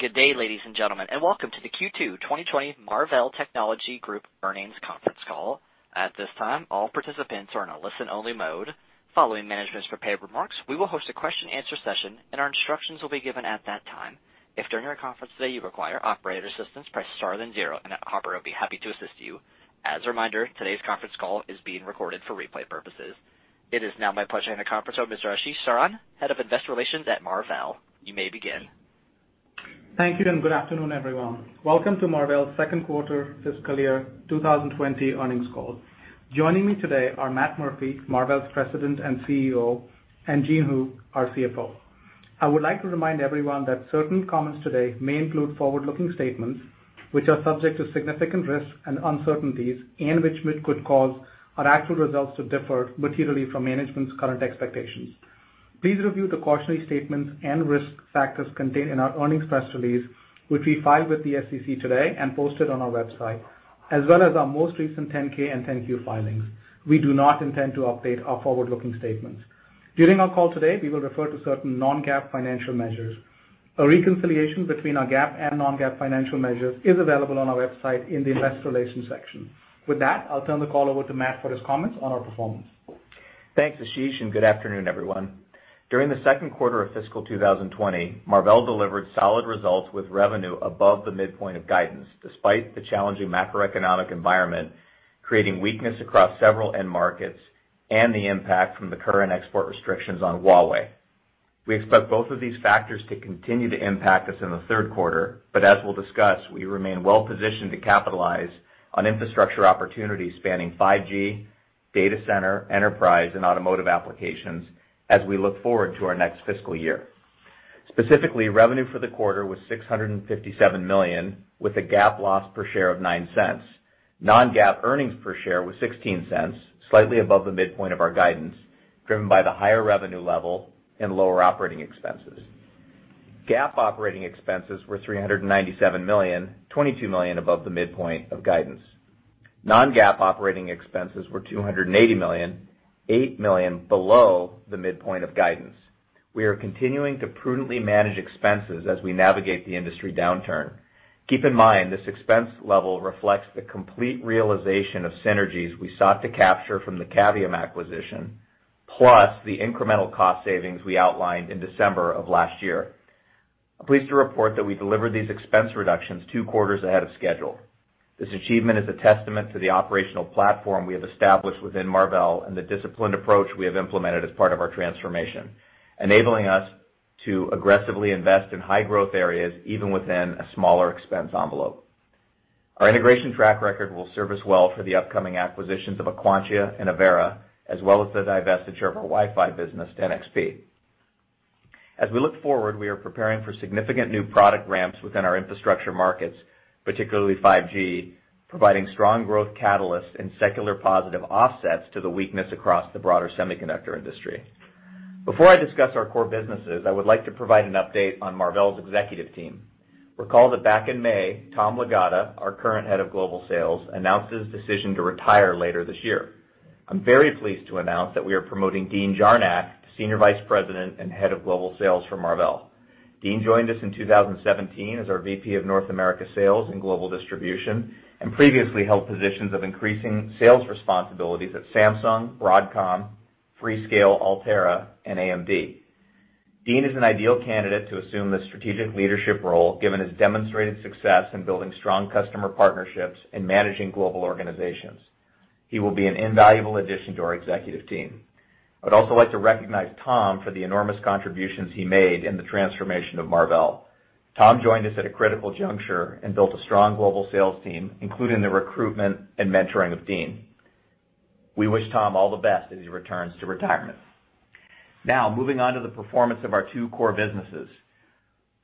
Good day, ladies and gentlemen, and welcome to the Q2 2020 Marvell Technology, Inc. earnings conference call. At this time, all participants are in a listen-only mode. Following management's prepared remarks, we will host a question and answer session, and our instructions will be given at that time. If during our conference today you require operator assistance, press star then zero, and an operator will be happy to assist you. As a reminder, today's conference call is being recorded for replay purposes. It is now my pleasure to hand the conference over to Ashish Saran, Head of Investor Relations at Marvell. You may begin. Thank you, and good afternoon, everyone. Welcome to Marvell's second quarter fiscal year 2020 earnings call. Joining me today are Matt Murphy, Marvell's President and CEO, and Jean Hu, our CFO. I would like to remind everyone that certain comments today may include forward-looking statements which are subject to significant risks and uncertainties, and which could cause our actual results to differ materially from management's current expectations. Please review the cautionary statements and risk factors contained in our earnings press release, which we filed with the SEC today and posted on our website, as well as our most recent 10-K and 10-Q filings. We do not intend to update our forward-looking statements. During our call today, we will refer to certain non-GAAP financial measures. A reconciliation between our GAAP and non-GAAP financial measures is available on our website in the investor relations section. With that, I'll turn the call over to Matt for his comments on our performance. Thanks, Ashish. Good afternoon, everyone. During the second quarter of fiscal 2020, Marvell delivered solid results with revenue above the midpoint of guidance, despite the challenging macroeconomic environment, creating weakness across several end markets, and the impact from the current export restrictions on Huawei. We expect both of these factors to continue to impact us in the third quarter, but as we'll discuss, we remain well positioned to capitalize on infrastructure opportunities spanning 5G, data center, enterprise, and automotive applications as we look forward to our next fiscal year. Specifically, revenue for the quarter was $657 million, with a GAAP loss per share of $0.09. Non-GAAP earnings per share was $0.16, slightly above the midpoint of our guidance, driven by the higher revenue level and lower operating expenses. GAAP operating expenses were $397 million, $22 million above the midpoint of guidance. Non-GAAP operating expenses were $280 million, $8 million below the midpoint of guidance. We are continuing to prudently manage expenses as we navigate the industry downturn. Keep in mind this expense level reflects the complete realization of synergies we sought to capture from the Cavium acquisition, plus the incremental cost savings we outlined in December of last year. I'm pleased to report that we delivered these expense reductions two quarters ahead of schedule. This achievement is a testament to the operational platform we have established within Marvell and the disciplined approach we have implemented as part of our transformation, enabling us to aggressively invest in high growth areas, even within a smaller expense envelope. Our integration track record will serve us well for the upcoming acquisitions of Aquantia and Avera, as well as the divestiture of our Wi-Fi business to NXP. As we look forward, we are preparing for significant new product ramps within our infrastructure markets, particularly 5G, providing strong growth catalysts and secular positive offsets to the weakness across the broader semiconductor industry. Before I discuss our core businesses, I would like to provide an update on Marvell's executive team. Recall that back in May, Tom Lagatta, our current head of global sales, announced his decision to retire later this year. I'm very pleased to announce that we are promoting Dean Jarnac to Senior Vice President and Head of Global Sales for Marvell. Dean joined us in 2017 as our VP of North America Sales and Global Distribution, and previously held positions of increasing sales responsibilities at Samsung, Broadcom, Freescale, Altera, and AMD. Dean is an ideal candidate to assume this strategic leadership role given his demonstrated success in building strong customer partnerships and managing global organizations. He will be an invaluable addition to our executive team. I'd also like to recognize Tom for the enormous contributions he made in the transformation of Marvell. Tom joined us at a critical juncture and built a strong global sales team, including the recruitment and mentoring of Dean. We wish Tom all the best as he returns to retirement. Now, moving on to the performance of our two core businesses.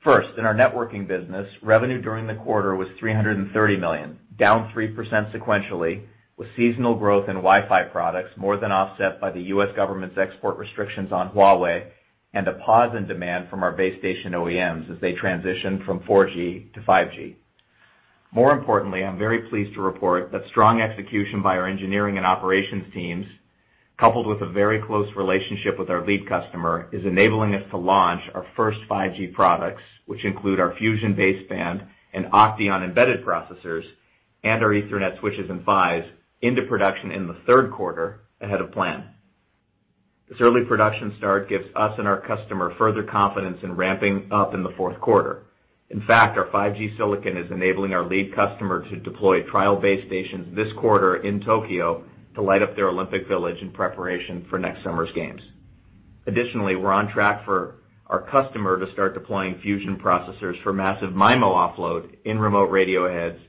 First, in our networking business, revenue during the quarter was $330 million, down 3% sequentially, with seasonal growth in Wi-Fi products more than offset by the U.S. government's export restrictions on Huawei and a pause in demand from our base station OEMs as they transition from 4G to 5G. More importantly, I'm very pleased to report that strong execution by our engineering and operations teams, coupled with a very close relationship with our lead customer, is enabling us to launch our first 5G products, which include our Fusion baseband and OCTEON embedded processors and our Ethernet switches and PHYs into production in the third quarter ahead of plan. This early production start gives us and our customer further confidence in ramping up in the fourth quarter. In fact, our 5G silicon is enabling our lead customer to deploy trial base stations this quarter in Tokyo to light up their Olympic village in preparation for next summer's games. Additionally, we're on track for our customer to start deploying Fusion processors for massive MIMO offload in remote radio heads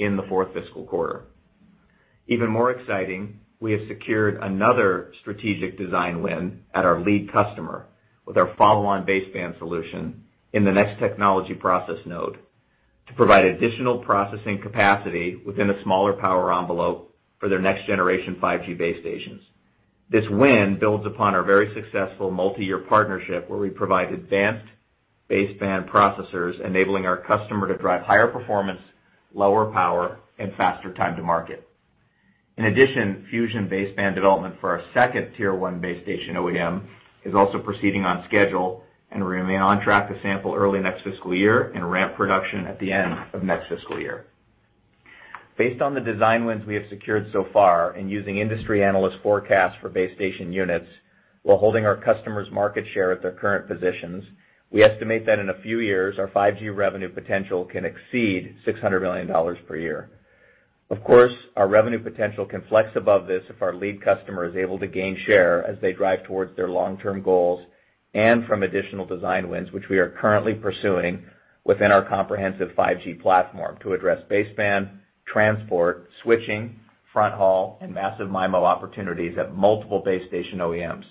in the fourth fiscal quarter. Even more exciting, we have secured another strategic design win at our lead customer with our follow-on baseband solution in the next technology process node to provide additional processing capacity within a smaller power envelope for their next generation 5G base stations. This win builds upon our very successful multiyear partnership where we provide advanced baseband processors enabling our customer to drive higher performance, lower power, and faster time to market. Fusion baseband development for our second tier 1 base station OEM is also proceeding on schedule, and we remain on track to sample early next fiscal year and ramp production at the end of next fiscal year. Based on the design wins we have secured so far and using industry analyst forecasts for base station units while holding our customers' market share at their current positions, we estimate that in a few years, our 5G revenue potential can exceed $600 million per year. Of course, our revenue potential can flex above this if our lead customer is able to gain share as they drive towards their long-term goals and from additional design wins, which we are currently pursuing within our comprehensive 5G platform to address baseband, transport, switching, front haul, and massive MIMO opportunities at multiple base station OEMs.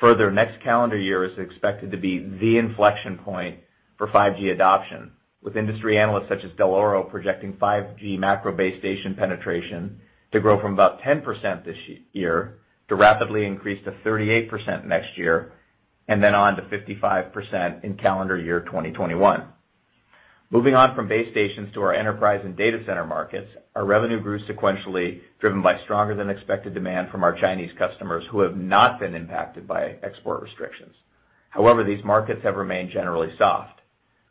Further, next calendar year is expected to be the inflection point for 5G adoption, with industry analysts such as Dell'Oro projecting 5G macro base station penetration to grow from about 10% this year to rapidly increase to 38% next year, and then on to 55% in calendar year 2021. Moving on from base stations to our enterprise and data center markets, our revenue grew sequentially, driven by stronger than expected demand from our Chinese customers who have not been impacted by export restrictions. However, these markets have remained generally soft.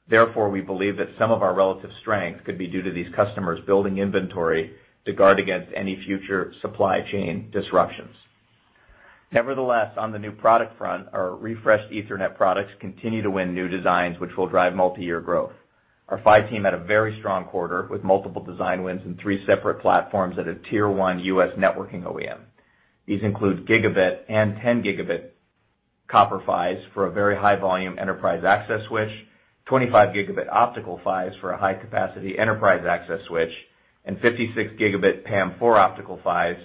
Therefore, we believe that some of our relative strength could be due to these customers building inventory to guard against any future supply chain disruptions. Nevertheless, on the new product front, our refreshed Ethernet products continue to win new designs which will drive multi-year growth. Our PHY team had a very strong quarter with multiple design wins in three separate platforms at a tier 1 U.S. networking OEM. These include gigabit and 10-gigabit copper PHYs for a very high-volume enterprise access switch, 25-gigabit optical PHYs for a high-capacity enterprise access switch, and 56-gigabit PAM4 optical PHYs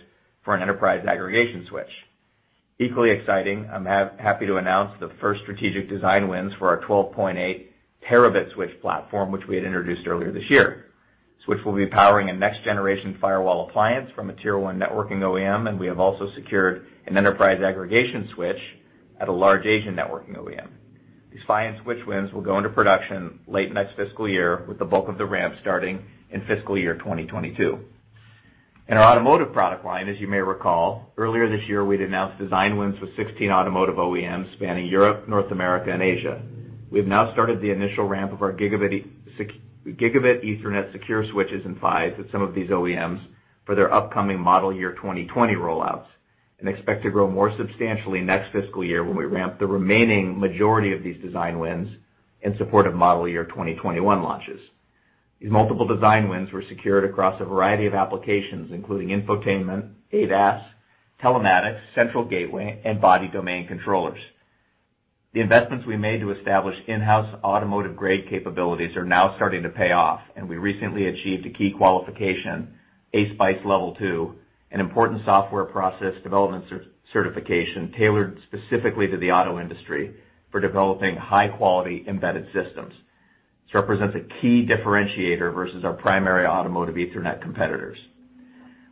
for an enterprise aggregation switch. Equally exciting, I'm happy to announce the first strategic design wins for our 12.8 terabit switch platform, which we had introduced earlier this year. The switch will be powering a next-generation firewall appliance from a tier 1 networking OEM, and we have also secured an enterprise aggregation switch at a large Asian networking OEM. These PHY and switch wins will go into production late next fiscal year with the bulk of the ramp starting in fiscal year 2022. In our automotive product line, as you may recall, earlier this year, we'd announced design wins with 16 automotive OEMs spanning Europe, North America, and Asia. We have now started the initial ramp of our gigabit Ethernet secure switches and PHYs with some of these OEMs for their upcoming model year 2020 rollouts and expect to grow more substantially next fiscal year when we ramp the remaining majority of these design wins in support of model year 2021 launches. These multiple design wins were secured across a variety of applications, including infotainment, ADAS, telematics, central gateway, and body domain controllers. The investments we made to establish in-house automotive-grade capabilities are now starting to pay off, and we recently achieved a key qualification, ASPICE Level 2, an important software process development certification tailored specifically to the auto industry for developing high-quality embedded systems. This represents a key differentiator versus our primary automotive Ethernet competitors.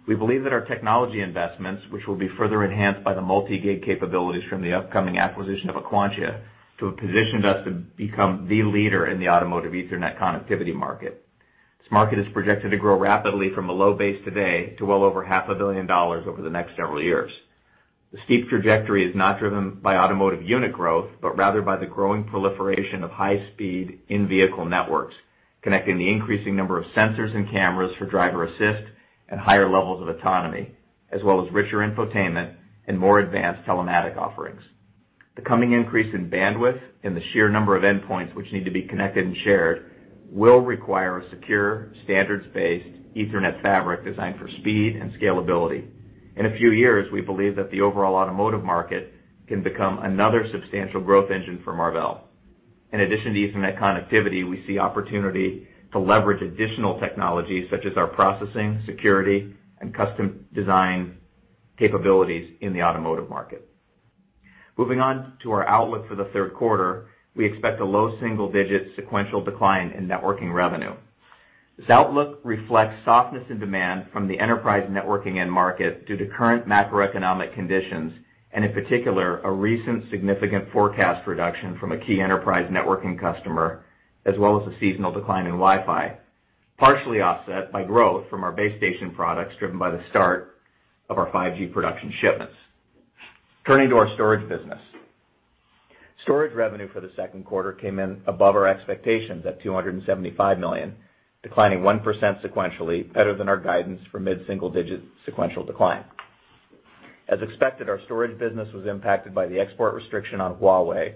We believe that our technology investments, which will be further enhanced by the multi-gig capabilities from the upcoming acquisition of Aquantia, to have positioned us to become the leader in the automotive Ethernet connectivity market. This market is projected to grow rapidly from a low base today to well over half a billion dollars over the next several years. The steep trajectory is not driven by automotive unit growth, but rather by the growing proliferation of high-speed in-vehicle networks, connecting the increasing number of sensors and cameras for driver assist at higher levels of autonomy, as well as richer infotainment and more advanced telematic offerings. The coming increase in bandwidth and the sheer number of endpoints which need to be connected and shared will require a secure, standards-based Ethernet fabric designed for speed and scalability. In a few years, we believe that the overall automotive market can become another substantial growth engine for Marvell. In addition to Ethernet connectivity, we see opportunity to leverage additional technologies such as our processing, security, and custom design capabilities in the automotive market. Moving on to our outlook for the third quarter, we expect a low single-digit sequential decline in networking revenue. This outlook reflects softness in demand from the enterprise networking end market due to current macroeconomic conditions and in particular, a recent significant forecast reduction from a key enterprise networking customer, as well as a seasonal decline in Wi-Fi, partially offset by growth from our base station products driven by the start of our 5G production shipments. Turning to our storage business. Storage revenue for the second quarter came in above our expectations at $275 million, declining 1% sequentially, better than our guidance for mid-single digit sequential decline. As expected, our storage business was impacted by the export restriction on Huawei,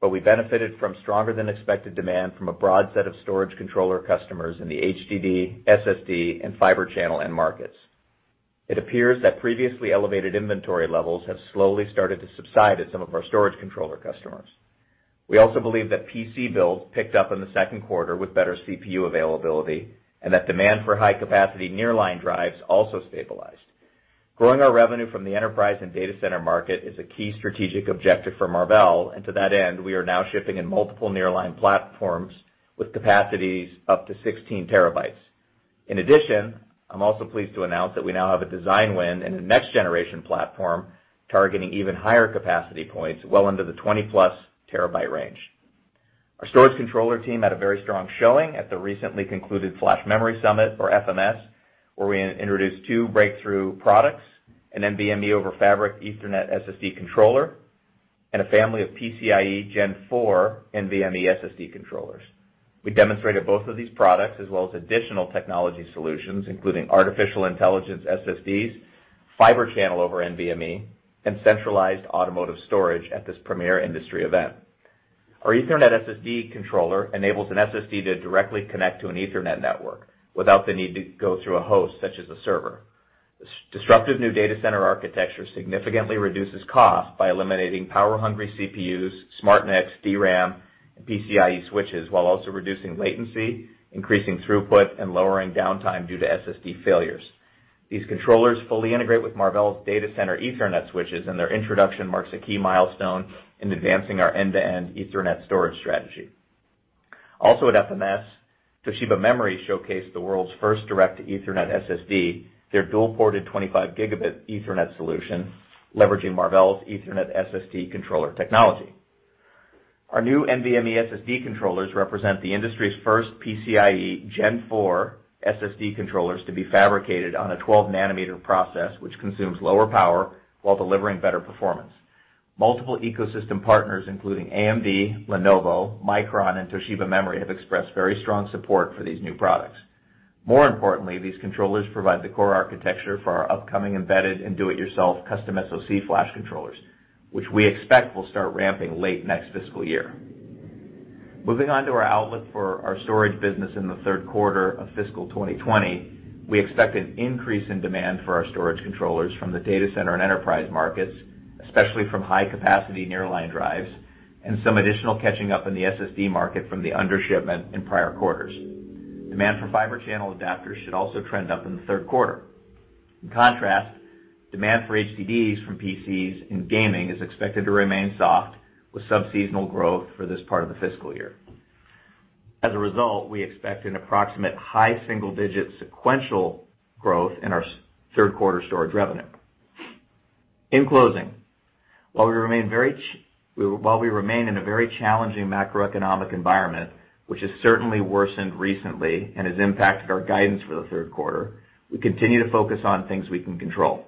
but we benefited from stronger than expected demand from a broad set of storage controller customers in the HDD, SSD, and Fibre Channel end markets. It appears that previously elevated inventory levels have slowly started to subside at some of our storage controller customers. We also believe that PC builds picked up in the second quarter with better CPU availability and that demand for high-capacity Nearline drives also stabilized. Growing our revenue from the enterprise and data center market is a key strategic objective for Marvell, and to that end, we are now shipping in multiple Nearline platforms with capacities up to 16 terabytes. In addition, I'm also pleased to announce that we now have a design win in the next-generation platform targeting even higher capacity points well into the 20-plus terabyte range. Our storage controller team had a very strong showing at the recently concluded Flash Memory Summit, or FMS, where we introduced two breakthrough products, an NVMe over Fabric Ethernet SSD controller, and a family of PCIe Gen 4 NVMe SSD controllers. We demonstrated both of these products, as well as additional technology solutions, including artificial intelligence SSDs, Fibre Channel over NVMe, and centralized automotive storage at this premier industry event. Our Ethernet SSD controller enables an SSD to directly connect to an Ethernet network without the need to go through a host, such as a server. This disruptive new data center architecture significantly reduces cost by eliminating power-hungry CPUs, SmartNICs, DRAM, and PCIe switches, while also reducing latency, increasing throughput, and lowering downtime due to SSD failures. These controllers fully integrate with Marvell's data center Ethernet switches, and their introduction marks a key milestone in advancing our end-to-end Ethernet storage strategy. Also at FMS, Toshiba Memory showcased the world's first direct Ethernet SSD, their dual-ported 25 Gigabit Ethernet solution, leveraging Marvell's Ethernet SSD controller technology. Our new NVMe SSD controllers represent the industry's first PCIe Gen 4 SSD controllers to be fabricated on a 12-nanometer process, which consumes lower power while delivering better performance. Multiple ecosystem partners, including AMD, Lenovo, Micron, and Toshiba Memory, have expressed very strong support for these new products. More importantly, these controllers provide the core architecture for our upcoming embedded and do-it-yourself custom SoC flash controllers, which we expect will start ramping late next fiscal year. Moving on to our outlook for our storage business in the third quarter of fiscal 2020, we expect an increase in demand for our storage controllers from the data center and enterprise markets, especially from high-capacity Nearline drives, and some additional catching up in the SSD market from the undershipment in prior quarters. Demand for Fibre Channel adapters should also trend up in the third quarter. In contrast, demand for HDDs from PCs and gaming is expected to remain soft, with sub-seasonal growth for this part of the fiscal year. As a result, we expect an approximate high single-digit sequential growth in our third quarter storage revenue. In closing, while we remain in a very challenging macroeconomic environment, which has certainly worsened recently and has impacted our guidance for the third quarter, we continue to focus on things we can control.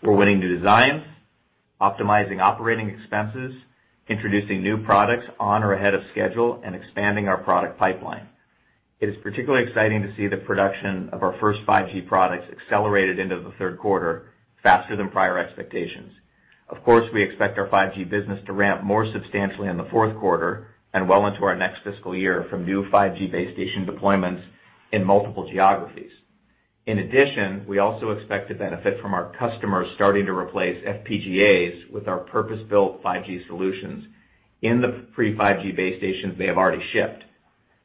We're winning new designs, optimizing operating expenses, introducing new products on or ahead of schedule, and expanding our product pipeline. It is particularly exciting to see the production of our first 5G products accelerated into the third quarter faster than prior expectations. Of course, we expect our 5G business to ramp more substantially in the fourth quarter and well into our next fiscal year from new 5G base station deployments in multiple geographies. In addition, we also expect to benefit from our customers starting to replace FPGAs with our purpose-built 5G solutions in the pre-5G base stations they have already shipped.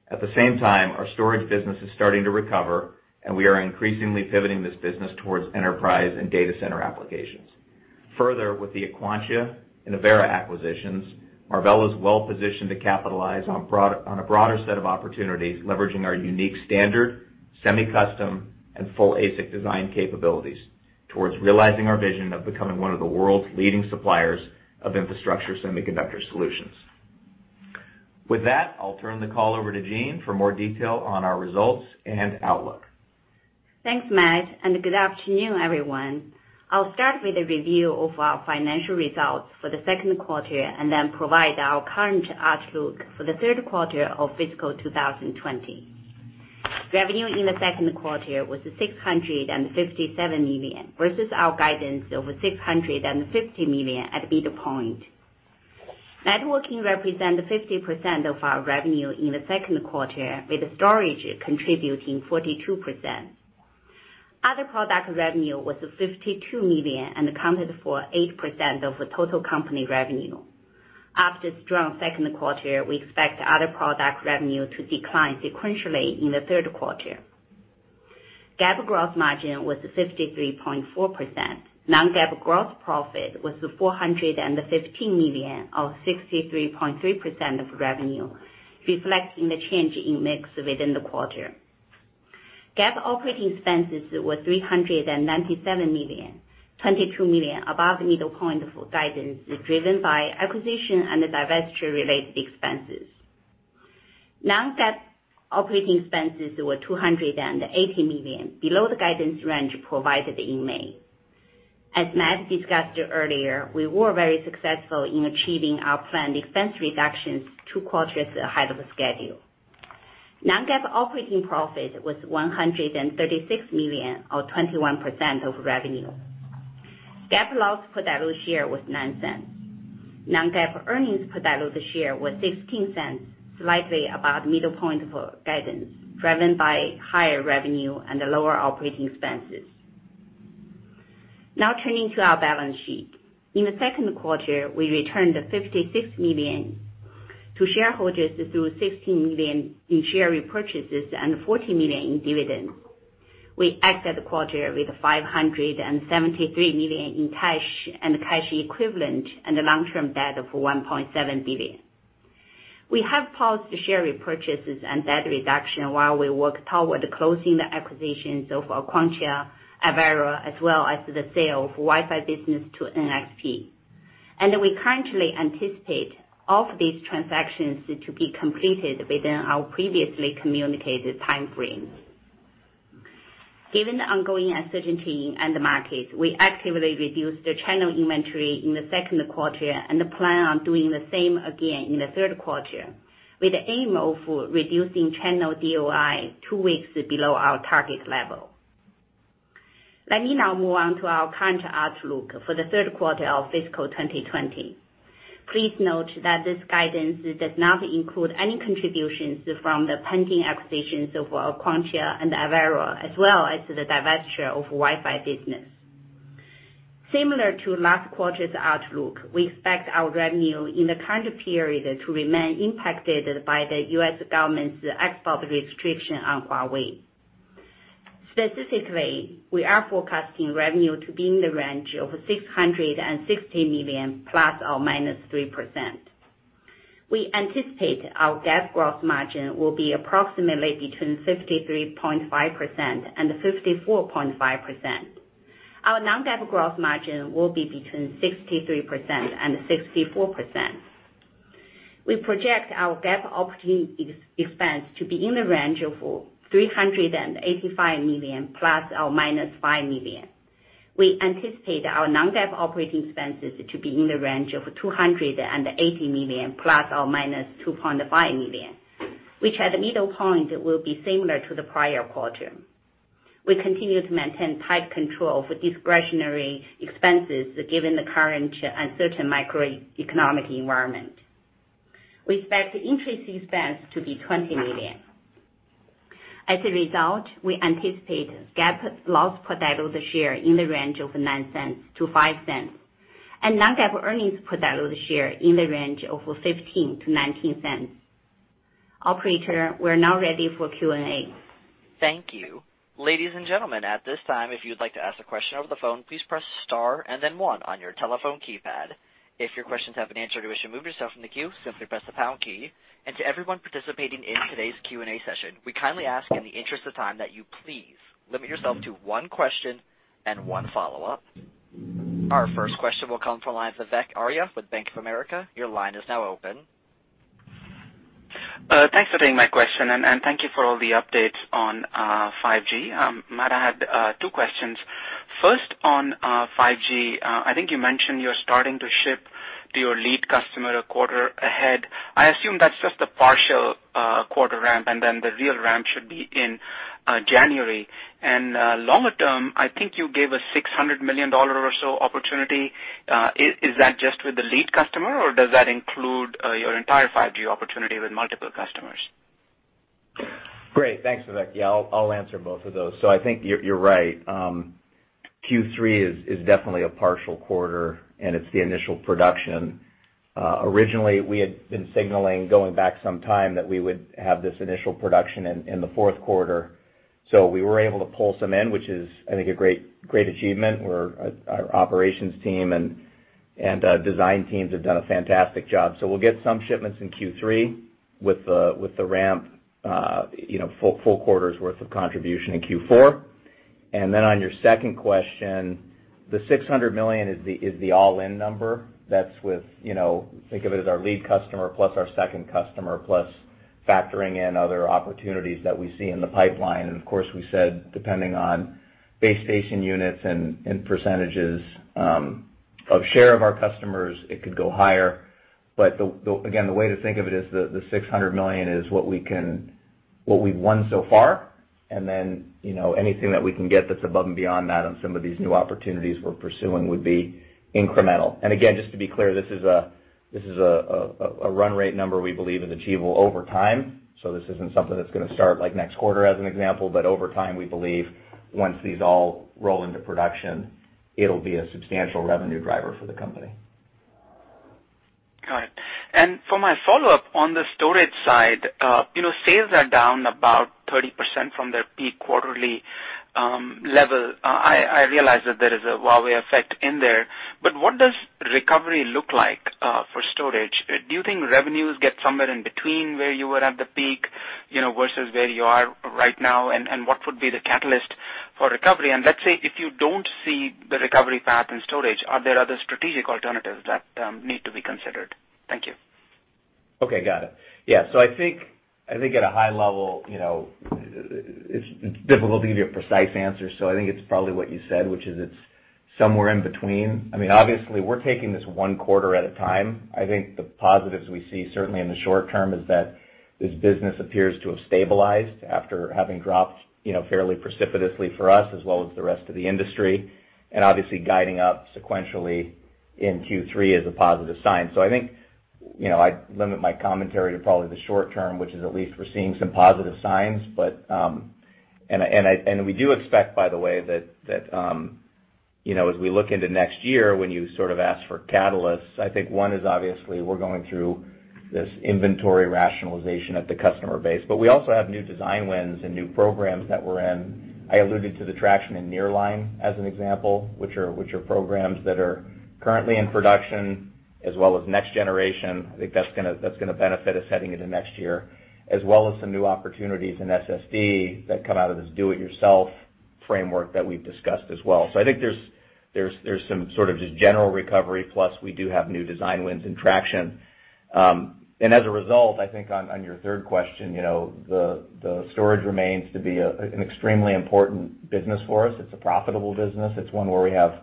At the same time, our storage business is starting to recover, and we are increasingly pivoting this business towards enterprise and data center applications. Further, with the Aquantia and Avera acquisitions, Marvell is well positioned to capitalize on a broader set of opportunities, leveraging our unique standard, semi-custom, and full ASIC design capabilities towards realizing our vision of becoming one of the world's leading suppliers of infrastructure semiconductor solutions. With that, I'll turn the call over to Jean for more detail on our results and outlook. Thanks, Matt. Good afternoon, everyone. I'll start with a review of our financial results for the second quarter. Then provide our current outlook for the third quarter of fiscal 2020. Revenue in the second quarter was $657 million, versus our guidance of $650 million at the midpoint. Networking represented 50% of our revenue in the second quarter, with storage contributing 42%. Other product revenue was $52 million, accounted for 8% of the total company revenue. After the strong second quarter, we expect other product revenue to decline sequentially in the third quarter. GAAP gross margin was 53.4%. Non-GAAP gross profit was $415 million or 63.3% of revenue, reflecting the change in mix within the quarter. GAAP operating expenses were $397 million, $22 million above the midpoint of our guidance, driven by acquisition and divestiture-related expenses. Non-GAAP operating expenses were $280 million, below the guidance range provided in May. As Matt discussed earlier, we were very successful in achieving our planned expense reductions two quarters ahead of schedule. Non-GAAP operating profit was $136 million or 21% of revenue. GAAP loss per diluted share was $0.09. Non-GAAP earnings per diluted share was $0.16, slightly above the midpoint of our guidance, driven by higher revenue and lower operating expenses. Now turning to our balance sheet. In the second quarter, we returned $56 million to shareholders through $16 million in share repurchases and $40 million in dividends. We ended the quarter with $573 million in cash and cash equivalent and a long-term debt of $1.7 billion. We have paused the share repurchases and debt reduction while we work toward closing the acquisitions of Aquantia, Avera, as well as the sale of Wi-Fi business to NXP. We currently anticipate all of these transactions to be completed within our previously communicated time frame. Given the ongoing uncertainty in the market, we actively reduced the channel inventory in the second quarter and plan on doing the same again in the third quarter, with the aim of reducing channel DOI two weeks below our target level. Let me now move on to our current outlook for the third quarter of fiscal 2020. Please note that this guidance does not include any contributions from the pending acquisitions of Aquantia and Avera, as well as the divestiture of Wi-Fi business. Similar to last quarter's outlook, we expect our revenue in the current period to remain impacted by the U.S. government's export restriction on Huawei. Specifically, we are forecasting revenue to be in the range of $660 million ±3%. We anticipate our GAAP gross margin will be approximately between 53.5% and 54.5%. Our non-GAAP gross margin will be between 63% and 64%. We project our GAAP operating expense to be in the range of $385 million ± $5 million. We anticipate our non-GAAP operating expenses to be in the range of $280 million ± $2.5 million, which at the middle point will be similar to the prior quarter. We continue to maintain tight control of discretionary expenses given the current uncertain macroeconomic environment. We expect interest expense to be $20 million. As a result, we anticipate GAAP loss per diluted share in the range of $0.09-$0.05 and non-GAAP earnings per diluted share in the range of $0.15-$0.19. Operator, we're now ready for Q&A. Thank you. Ladies and gentlemen, at this time, if you'd like to ask a question over the phone, please press star and then one on your telephone keypad. If your questions have been answered or wish to move yourself in the queue, simply press the pound key. To everyone participating in today's Q&A session, we kindly ask in the interest of time that you please limit yourself to one question and one follow-up. Our first question will come from the line of Vivek Arya with Bank of America. Your line is now open. Thanks for taking my question, and thank you for all the updates on 5G. Matt, I had two questions. First, on 5G, I think you mentioned you're starting to ship to your lead customer a quarter ahead. I assume that's just a partial quarter ramp, and then the real ramp should be in January. Longer term, I think you gave a $600 million or so opportunity. Is that just with the lead customer, or does that include your entire 5G opportunity with multiple customers? Great. Thanks, Vivek. Yeah, I'll answer both of those. I think you're right. Q3 is definitely a partial quarter, and it's the initial production. Originally, we had been signaling going back some time that we would have this initial production in the fourth quarter. We were able to pull some in, which is, I think, a great achievement, our operations team and design teams have done a fantastic job. We'll get some shipments in Q3 with the ramp full quarter's worth of contribution in Q4. Then on your second question, the $600 million is the all-in number. That's with, think of it as our lead customer plus our second customer, plus factoring in other opportunities that we see in the pipeline. Of course, we said depending on base station units and percentages of share of our customers, it could go higher. Again, the way to think of it is the $600 million is what we've won so far. Anything that we can get that's above and beyond that on some of these new opportunities we're pursuing would be incremental. Again, just to be clear, this is a run rate number we believe is achievable over time. This isn't something that's going to start next quarter, as an example. Over time, we believe once these all roll into production, it'll be a substantial revenue driver for the company. Got it. For my follow-up on the storage side, sales are down about 30% from their peak quarterly level. I realize that there is a Huawei effect in there. What does recovery look like for storage? Do you think revenues get somewhere in between where you were at the peak versus where you are right now? What would be the catalyst for recovery? Let's say if you don't see the recovery path in storage, are there other strategic alternatives that need to be considered? Thank you. Okay, got it. Yeah. I think at a high level, it's difficult to give you a precise answer. I think it's probably what you said, which is it's somewhere in between. Obviously, we're taking this one quarter at a time. I think the positives we see certainly in the short term is that this business appears to have stabilized after having dropped fairly precipitously for us as well as the rest of the industry, and obviously guiding up sequentially in Q3 is a positive sign. I think I'd limit my commentary to probably the short term, which is at least we're seeing some positive signs. We do expect, by the way, that as we look into next year, when you sort of ask for catalysts, I think one is obviously we're going through this inventory rationalization at the customer base. We also have new design wins and new programs that we're in. I alluded to the traction in Nearline as an example, which are programs that are currently in production as well as next generation. I think that's going to benefit us heading into next year, as well as some new opportunities in SSD that come out of this do it yourself framework that we've discussed as well. I think there's some sort of just general recovery. Plus, we do have new design wins and traction. As a result, I think on your third question, the storage remains to be an extremely important business for us. It's a profitable business. It's one where we have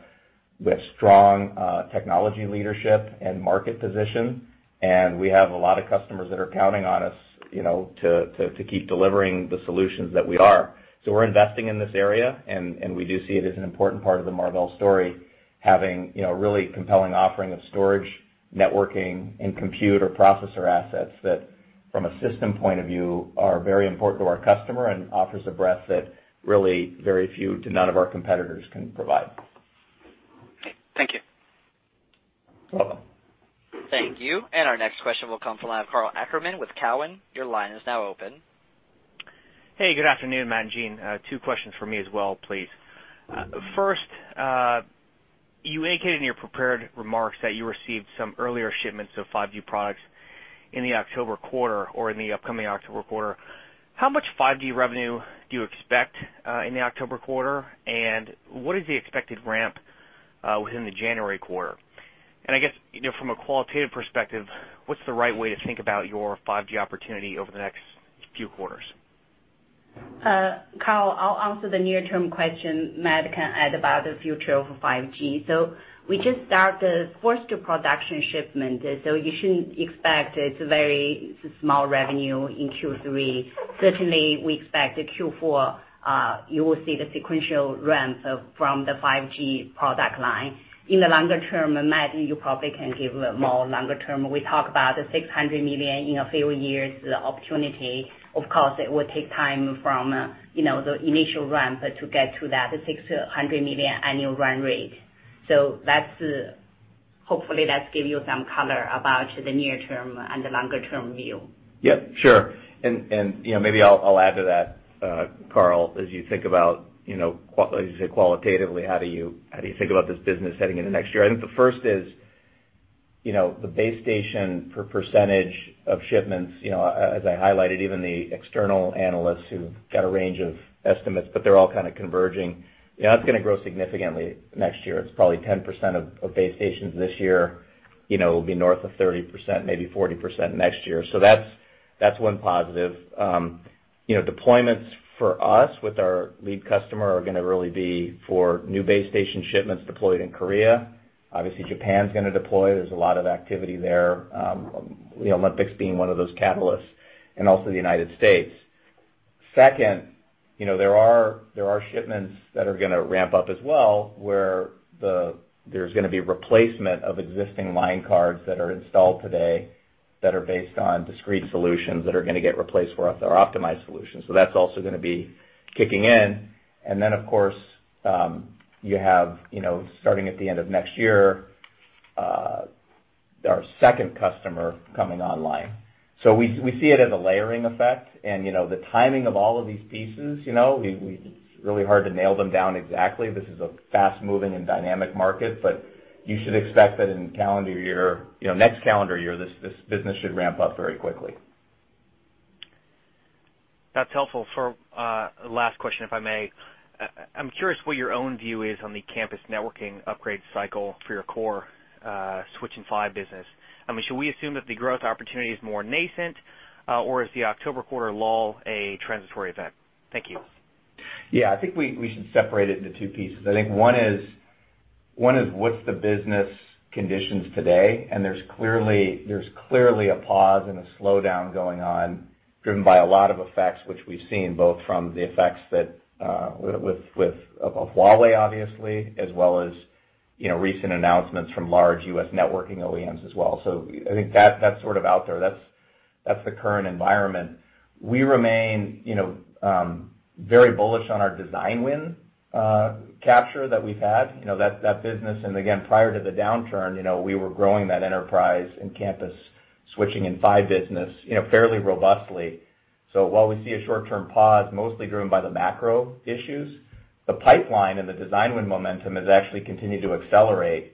strong technology leadership and market position, and we have a lot of customers that are counting on us to keep delivering the solutions that we are. We're investing in this area, and we do see it as an important part of the Marvell story, having really compelling offering of storage, networking, and compute or processor assets that, from a system point of view, are very important to our customer and offers a breadth that really very few to none of our competitors can provide. Okay. Thank you. You're welcome. Thank you. Our next question will come from the line of Karl Ackerman with Cowen. Your line is now open. Hey, good afternoon, Matt and Jean. Two questions for me as well, please. First, you indicated in your prepared remarks that you received some earlier shipments of 5G products in the October quarter or in the upcoming October quarter. How much 5G revenue do you expect in the October quarter, and what is the expected ramp within the January quarter? I guess, from a qualitative perspective, what's the right way to think about your 5G opportunity over the next few quarters? Karl, I'll answer the near-term question. Matt can add about the future of 5G. We just start the first two production shipment, so you shouldn't expect it's very small revenue in Q3. Certainly, we expect in Q4, you will see the sequential ramp from the 5G product line. In the longer term, Matt, you probably can give a more longer term. We talk about $600 million in a few years, the opportunity. Of course, it will take time from the initial ramp to get to that $600 million annual run rate. Hopefully that give you some color about the near term and the longer-term view. Yep, sure. Maybe I'll add to that, Karl, as you think about, as you say qualitatively, how do you think about this business heading into next year? I think the first is the base station for percentage of shipments. As I highlighted, even the external analysts who've got a range of estimates, but they're all kind of converging. That's going to grow significantly next year. It's probably 10% of base stations this year. It'll be north of 30%, maybe 40% next year. That's one positive. Deployments for us with our lead customer are going to really be for new base station shipments deployed in Korea. Obviously, Japan's going to deploy. There's a lot of activity there, the Olympics being one of those catalysts and also the United States. Second, there are shipments that are going to ramp up as well, where there's going to be replacement of existing line cards that are installed today that are based on discrete solutions that are going to get replaced with our optimized solutions. That's also going to be kicking in. Of course, you have starting at the end of next year, our second customer coming online. We see it as a layering effect and the timing of all of these pieces, it's really hard to nail them down exactly. This is a fast-moving and dynamic market, but you should expect that in next calendar year, this business should ramp up very quickly. That's helpful. For last question, if I may. I'm curious what your own view is on the campus networking upgrade cycle for your core switching PHY business. Should we assume that the growth opportunity is more nascent, or is the October quarter lull a transitory event? Thank you. Yeah. I think we should separate it into two pieces. I think one is what's the business conditions today, and there's clearly a pause and a slowdown going on driven by a lot of effects, which we've seen both from the effects of Huawei, obviously, as well as recent announcements from large U.S. networking OEMs as well. I think that's sort of out there. That's the current environment. We remain very bullish on our design win capture that we've had, that business. Again, prior to the downturn, we were growing that enterprise and campus switching and PHY business fairly robustly. While we see a short-term pause, mostly driven by the macro issues, the pipeline and the design win momentum has actually continued to accelerate.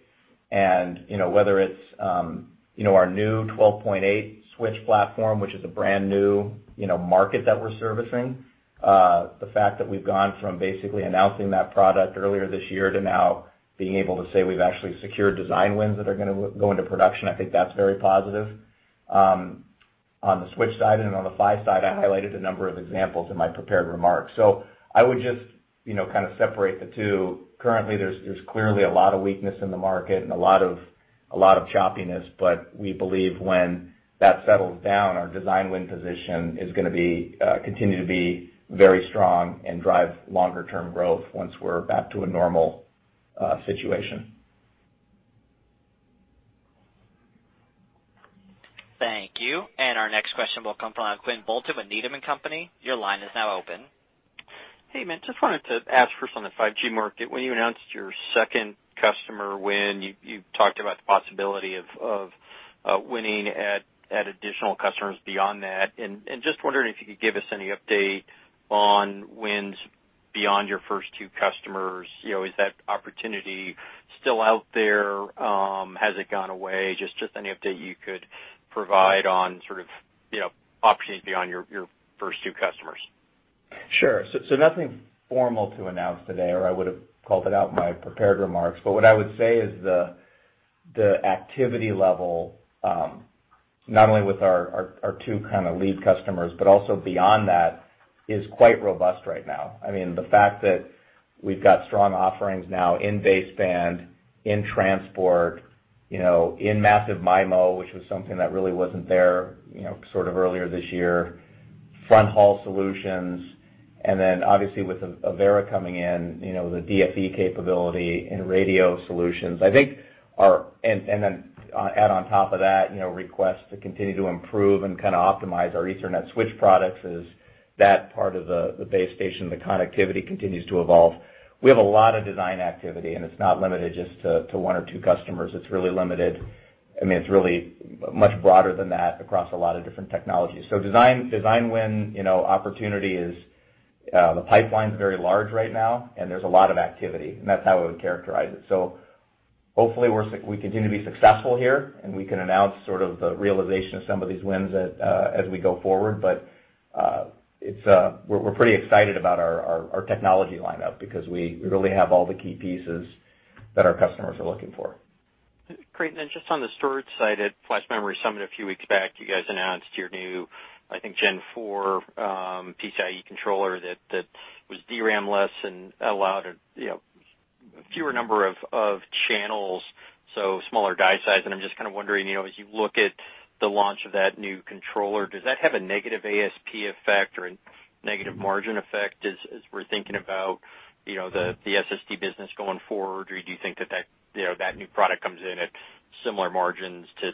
Whether it's our new 12.8 switch platform, which is a brand-new market that we're servicing. The fact that we've gone from basically announcing that product earlier this year to now being able to say we've actually secured design wins that are going to go into production, I think that's very positive on the switch side. On the PHY side, I highlighted a number of examples in my prepared remarks. I would just kind of separate the two. Currently, there's clearly a lot of weakness in the market and a lot of choppiness, but we believe when that settles down, our design win position is going to continue to be very strong and drive longer-term growth once we're back to a normal situation. Thank you. Our next question will come from Quinn Bolton with Needham & Company. Your line is now open. Hey, Matt. Wanted to ask first on the 5G market, when you announced your second customer win, you talked about the possibility of winning at additional customers beyond that. Wondering if you could give us any update on wins beyond your first two customers. Is that opportunity still out there? Has it gone away? Any update you could provide on sort of opportunities beyond your first two customers. Sure. Nothing formal to announce today, or I would have called it out in my prepared remarks. What I would say is the activity level, not only with our two kind of lead customers, but also beyond that, is quite robust right now. I mean, the fact that we've got strong offerings now in baseband, in transport, in massive MIMO, which was something that really wasn't there sort of earlier this year, front haul solutions, and then obviously with Avera coming in, the DFE capability and radio solutions. Add on top of that, requests to continue to improve and kind of optimize our Ethernet switch products as that part of the base station, the connectivity continues to evolve. We have a lot of design activity, and it's not limited just to one or two customers. It's really much broader than that across a lot of different technologies. Design win opportunity, the pipeline's very large right now, and there's a lot of activity, and that's how I would characterize it. Hopefully we continue to be successful here, and we can announce sort of the realization of some of these wins as we go forward. We're pretty excited about our technology lineup because we really have all the key pieces that our customers are looking for. Great. Then just on the storage side, at Flash Memory Summit a few weeks back, you guys announced your new, I think, Gen 4 PCIe controller that was DRAM-less and allowed a fewer number of channels, so smaller die size. I'm just kind of wondering, as you look at the launch of that new controller, does that have a negative ASP effect or a negative margin effect as we're thinking about the SSD business going forward? Do you think that new product comes in at similar margins to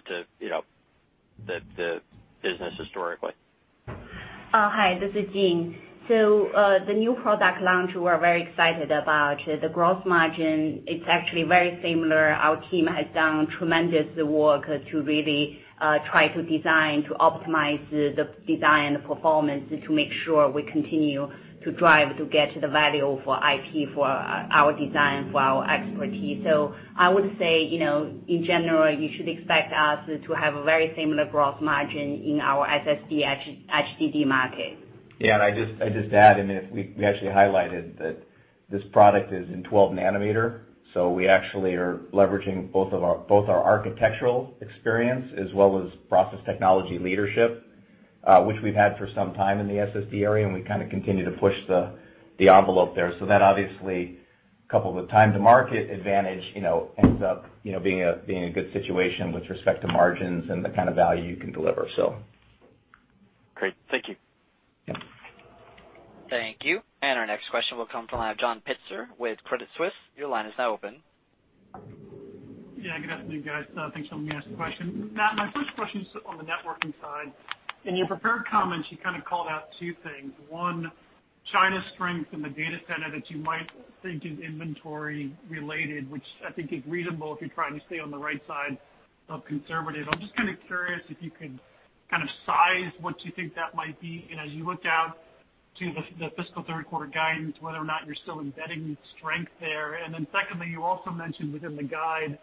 the business historically? Hi, this is Jean. The new product launch, we're very excited about. The gross margin, it's actually very similar. Our team has done tremendous work to really try to design, to optimize the design performance, and to make sure we continue to drive to get the value for IP, for our design, for our expertise. I would say, in general, you should expect us to have a very similar gross margin in our SSD, HDD market. Yeah, I'd just add, we actually highlighted that this product is in 12-nanometer, we actually are leveraging both our architectural experience as well as process technology leadership, which we've had for some time in the SSD area, and we kind of continue to push the envelope there. That obviously, coupled with time to market advantage, ends up being a good situation with respect to margins and the kind of value you can deliver. Great, thank you. Yeah. Thank you. Our next question will come from John Pitzer with Credit Suisse. Your line is now open. Good afternoon, guys. Thanks for letting me ask the question. Matt, my first question is on the networking side. In your prepared comments, you kind of called out two things. One, China's strength in the data center that you might think is inventory related, which I think is reasonable if you're trying to stay on the right side of conservative. I'm just kind of curious if you could kind of size what you think that might be, and as you look out to the fiscal third quarter guidance, whether or not you're still embedding strength there. Secondly, you also mentioned within the guide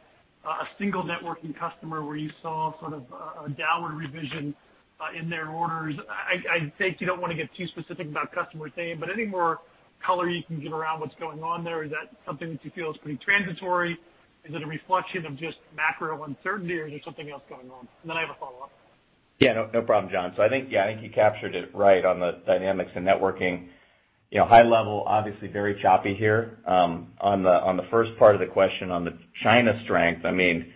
a single networking customer where you saw sort of a downward revision in their orders. I take it you don't want to get too specific about customer's name, but any more color you can give around what's going on there? Is that something that you feel is pretty transitory? Is it a reflection of just macro uncertainty, or is there something else going on? I have a follow-up. Yeah, no problem, John. I think you captured it right on the dynamics in networking. High level, obviously very choppy here. On the first part of the question on the China strength, I mean,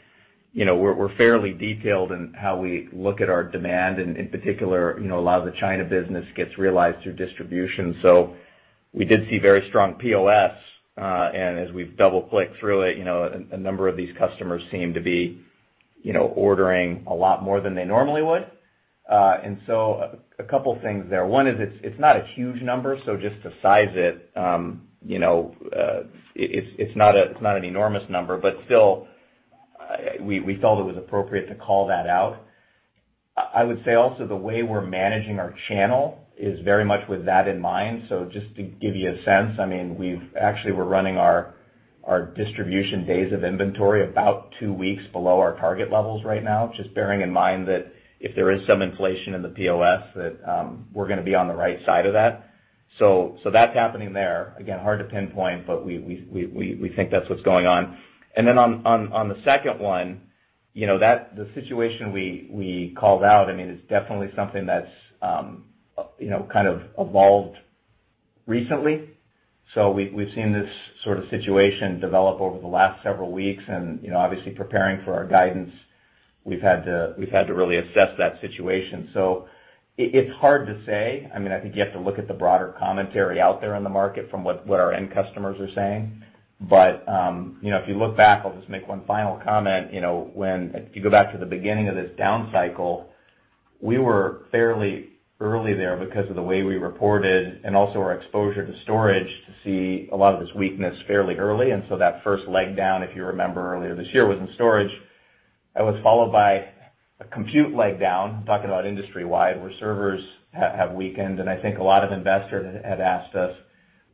we're fairly detailed in how we look at our demand, and in particular, a lot of the China business gets realized through distribution. We did see very strong POS, and as we've double-clicked through it, a number of these customers seem to be ordering a lot more than they normally would. A couple of things there. One is it's not a huge number, so just to size it's not an enormous number, but still, we felt it was appropriate to call that out. I would say also the way we're managing our channel is very much with that in mind. Just to give you a sense, I mean, actually we're running our distribution days of inventory about 2 weeks below our target levels right now, just bearing in mind that if there is some inflation in the POS, that we're going to be on the right side of that. That's happening there. Again, hard to pinpoint, but we think that's what's going on. Then on the second one, the situation we called out, I mean, it's definitely something that's kind of evolved recently. We've seen this sort of situation develop over the last several weeks and obviously preparing for our guidance, we've had to really assess that situation. It's hard to say. I mean, I think you have to look at the broader commentary out there on the market from what our end customers are saying. If you look back, I'll just make one final comment. If you go back to the beginning of this down cycle, we were fairly early there because of the way we reported and also our exposure to storage to see a lot of this weakness fairly early. That first leg down, if you remember earlier this year, was in storage. That was followed by a compute leg down, talking about industry-wide, where servers have weakened, and I think a lot of investors have asked us,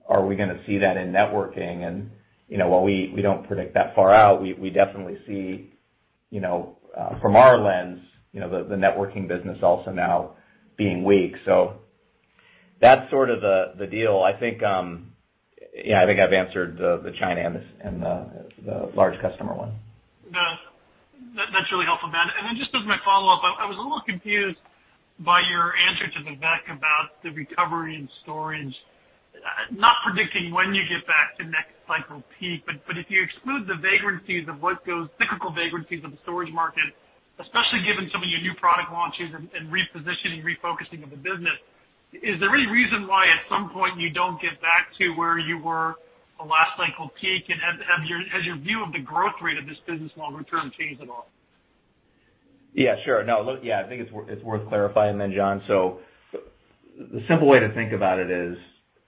are we going to see that in networking? While we don't predict that far out, we definitely see, from our lens, the networking business also now being weak. That's sort of the deal. I think I've answered the China and the large customer one. No, that's really helpful, Matt. Just as my follow-up, I was a little confused by your answer to Vivek about the recovery in storage. Not predicting when you get back to next cycle peak, but if you exclude the cyclical vagrancies of the storage market, especially given some of your new product launches and repositioning, refocusing of the business, is there any reason why at some point you don't get back to where you were the last cycle peak? Has your view of the growth rate of this business longer term changed at all? Yeah, sure. I think it's worth clarifying then, John. The simple way to think about it is,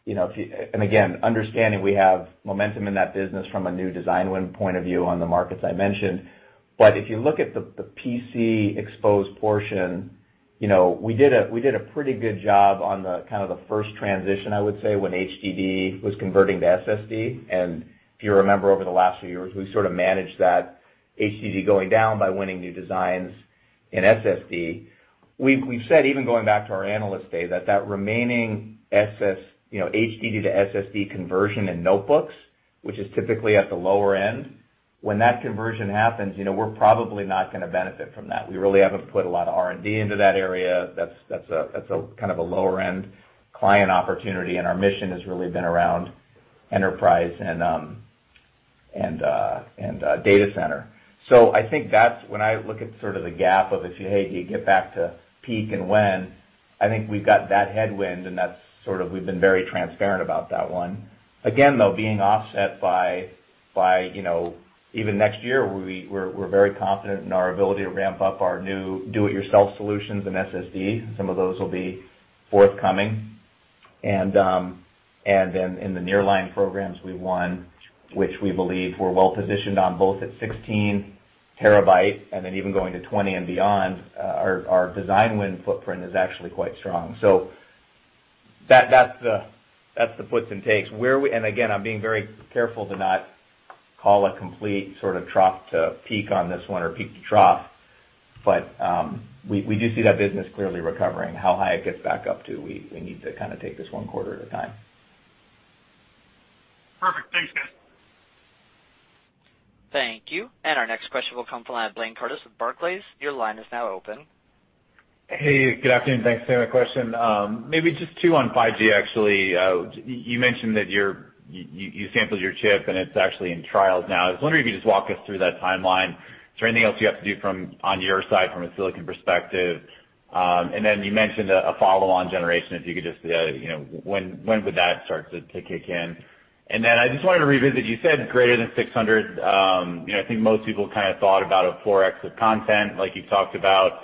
and again, understanding we have momentum in that business from a new design win point of view on the markets I mentioned, but if you look at the PC exposed portion, we did a pretty good job on the kind of the first transition, I would say, when HDD was converting to SSD. If you remember over the last few years, we sort of managed that HDD going down by winning new designs in SSD. We've said, even going back to our Analyst Day, that remaining HDD to SSD conversion in notebooks, which is typically at the lower end, when that conversion happens, we're probably not going to benefit from that. We really haven't put a lot of R&D into that area. That's kind of a lower-end client opportunity, and our mission has really been around enterprise and data center. I think when I look at sort of the gap of, do you get back to peak and when, I think we've got that headwind, and we've been very transparent about that one. Again, though, being offset by even next year, we're very confident in our ability to ramp up our new do-it-yourself solutions in SSD. Some of those will be forthcoming. In the nearline programs we won, which we believe we're well-positioned on both at 16 terabyte, and then even going to 20 and beyond, our design win footprint is actually quite strong. That's the puts and takes. Again, I'm being very careful to not call a complete sort of trough to peak on this one or peak to trough, but we do see that business clearly recovering. How high it gets back up to, we need to kind of take this one quarter at a time. Perfect. Thanks, guys. Thank you. Our next question will come from Blayne Curtis with Barclays. Your line is now open. Hey, good afternoon. Thanks for taking my question. Maybe just two on 5G, actually. You mentioned that you sampled your chip, and it's actually in trials now. I was wondering if you could just walk us through that timeline. Is there anything else you have to do on your side from a silicon perspective? Then you mentioned a follow-on generation. If you could just, when would that start to kick in? Then I just wanted to revisit, you said greater than $600. I think most people kind of thought about a 4x of content like you talked about,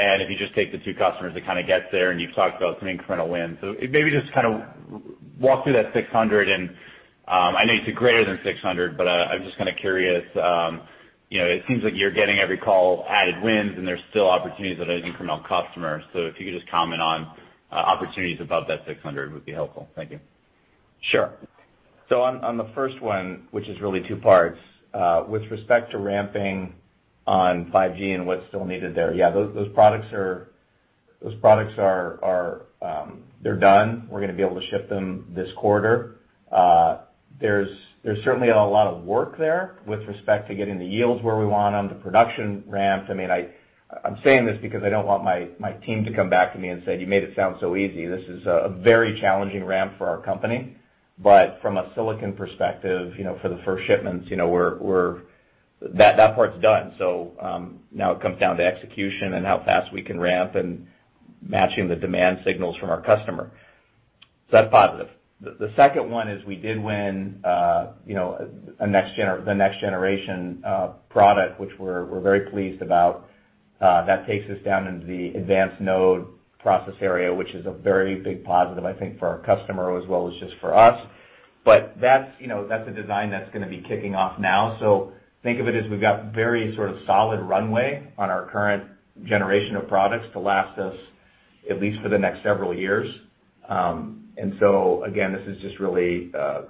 and if you just take the two customers, it kind of gets there, and you've talked about some incremental wins. Maybe just kind of walk through that $600 and, I know you said greater than $600, but I'm just kind of curious. It seems like you're getting every call added wins, and there's still opportunities at an incremental customer. If you could just comment on opportunities above that 600, it would be helpful. Thank you. Sure. On the first one, which is really two parts, with respect to ramping on 5G and what's still needed there, yeah, those products are done. We're going to be able to ship them this quarter. There's certainly a lot of work there with respect to getting the yields where we want on the production ramps. I'm saying this because I don't want my team to come back to me and say, "You made it sound so easy." This is a very challenging ramp for our company. From a silicon perspective, for the first shipments, that part's done. Now it comes down to execution and how fast we can ramp and matching the demand signals from our customer. That's positive. The second one is we did win the next generation product, which we're very pleased about. That takes us down into the advanced node process area, which is a very big positive, I think, for our customer as well as just for us. That's a design that's going to be kicking off now. Think of it as we've got very sort of solid runway on our current generation of products to last us at least for the next several years. Again, this is just really a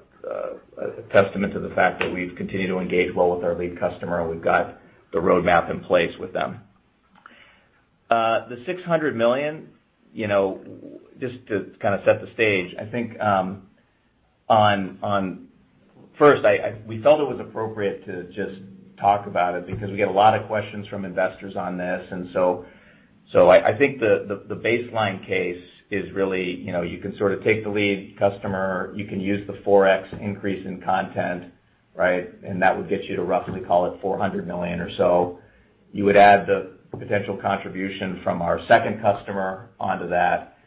testament to the fact that we've continued to engage well with our lead customer, and we've got the roadmap in place with them. The $600 million, just to kind of set the stage, I think first, we felt it was appropriate to just talk about it because we get a lot of questions from investors on this. The baseline case is really, you can sort of take the lead customer, you can use the 4x increase in content, right? That would get you to roughly call it $400 million or so. You would add the potential contribution from our second customer onto that.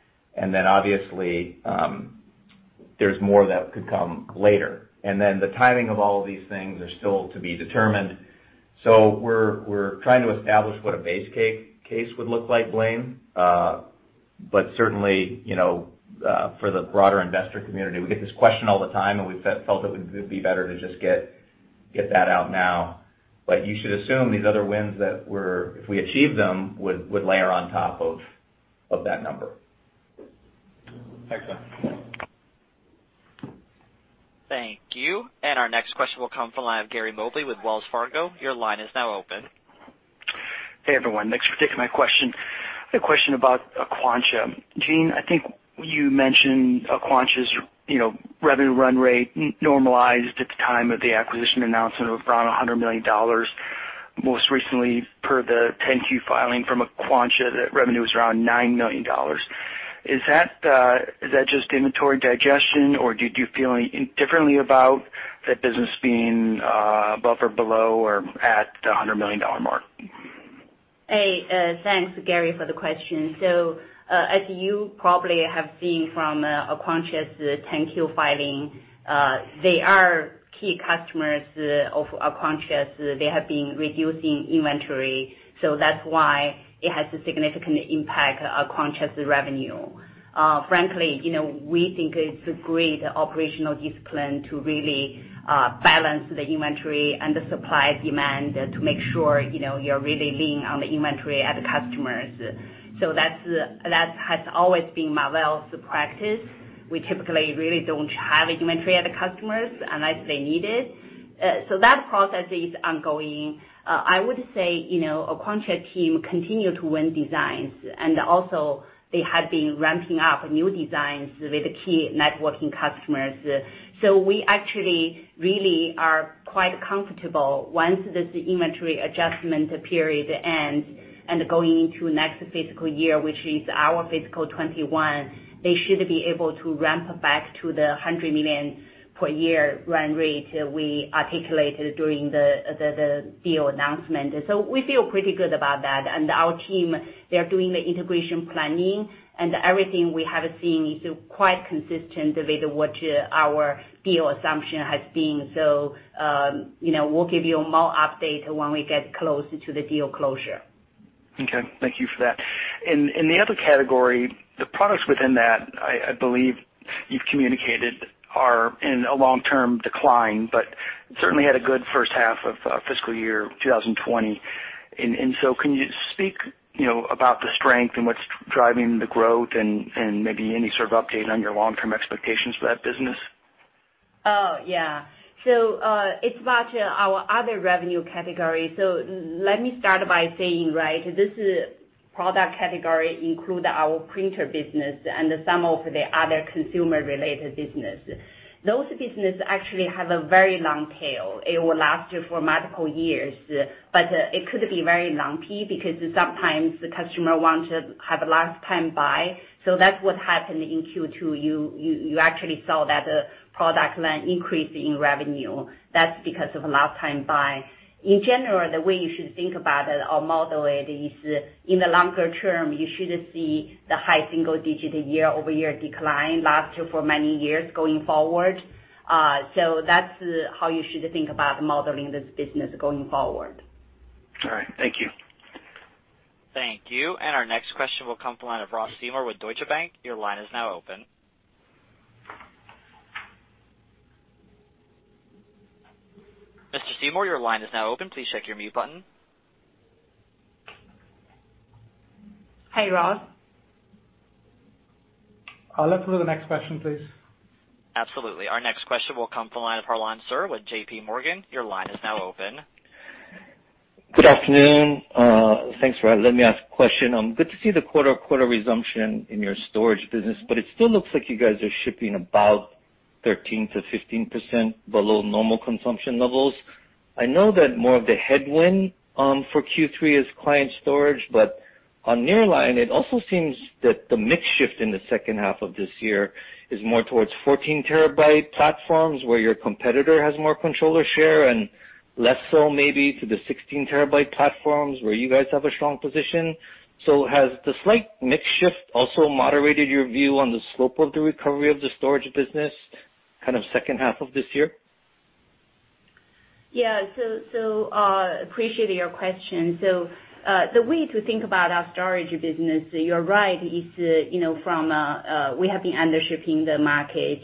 Obviously, there's more that could come later. The timing of all of these things are still to be determined. We're trying to establish what a base case would look like, Blayne. Certainly, for the broader investor community, we get this question all the time. We felt it would be better to just get that out now. You should assume these other wins that if we achieve them, would layer on top of that number. Excellent. Thank you. Our next question will come from the line of Gary Mobley with Wells Fargo. Your line is now open. Hey, everyone. Thanks for taking my question. I had a question about Aquantia. Jean, I think you mentioned Aquantia's revenue run rate normalized at the time of the acquisition announcement of around $100 million. Most recently, per the 10-Q filing from Aquantia, that revenue is around $9 million. Is that just inventory digestion, or do you feel differently about that business being above or below or at the $100 million mark? Hey, thanks, Gary, for the question. As you probably have seen from Aquantia's 10-Q filing, they are key customers of Aquantia's. They have been reducing inventory. That's why it has a significant impact on Aquantia's revenue. Frankly, we think it's a great operational discipline to really balance the inventory and the supply demand to make sure you're really lean on the inventory at the customers. That has always been Marvell's practice. We typically really don't have inventory at the customers unless they need it. That process is ongoing. I would say, Aquantia team continue to win designs, and also they had been ramping up new designs with key networking customers. We actually really are quite comfortable once this inventory adjustment period ends and going into next fiscal year, which is our fiscal 2021, they should be able to ramp back to the $100 million per year run rate we articulated during the deal announcement. We feel pretty good about that. Our team, they are doing the integration planning, and everything we have seen is quite consistent with what our deal assumption has been. We'll give you more update when we get closer to the deal closure. Okay. Thank you for that. In the other category, the products within that, I believe you've communicated are in a long-term decline, but certainly had a good first half of fiscal year 2020. Can you speak about the strength and what's driving the growth and maybe any sort of update on your long-term expectations for that business? Oh, yeah. It's about our other revenue category. Let me start by saying, this product category includes our printer business and some of the other consumer-related business. Those businesses actually have a very long tail. It will last for multiple years, but it could be very lumpy because sometimes the customer wants to have a last-time buy. That's what happened in Q2. You actually saw that product line increase in revenue. That's because of last-time buy. In general, the way you should think about it or model it is in the longer term, you should see the high single-digit year-over-year decline last for many years going forward. That's how you should think about modeling this business going forward. All right. Thank you. Thank you. Our next question will come from the line of Ross Seymore with Deutsche Bank. Your line is now open. Mr. Seymore, your line is now open. Please check your mute button. Hey, Ross. I'll look for the next question, please. Absolutely. Our next question will come from the line of Harlan Sur with JP Morgan. Your line is now open. Good afternoon. Thanks for letting me ask a question. Good to see the quarter-over-quarter resumption in your storage business, but it still looks like you guys are shipping about 13%-15% below normal consumption levels. I know that more of the headwind for Q3 is client storage, but on Nearline, it also seems that the mix shift in the second half of this year is more towards 14 terabyte platforms where your competitor has more controller share, and less so maybe to the 16 terabyte platforms where you guys have a strong position. Has the slight mix shift also moderated your view on the slope of the recovery of the storage business kind of second half of this year? Appreciate your question. The way to think about our storage business, you're right, is from we have been undershipping the market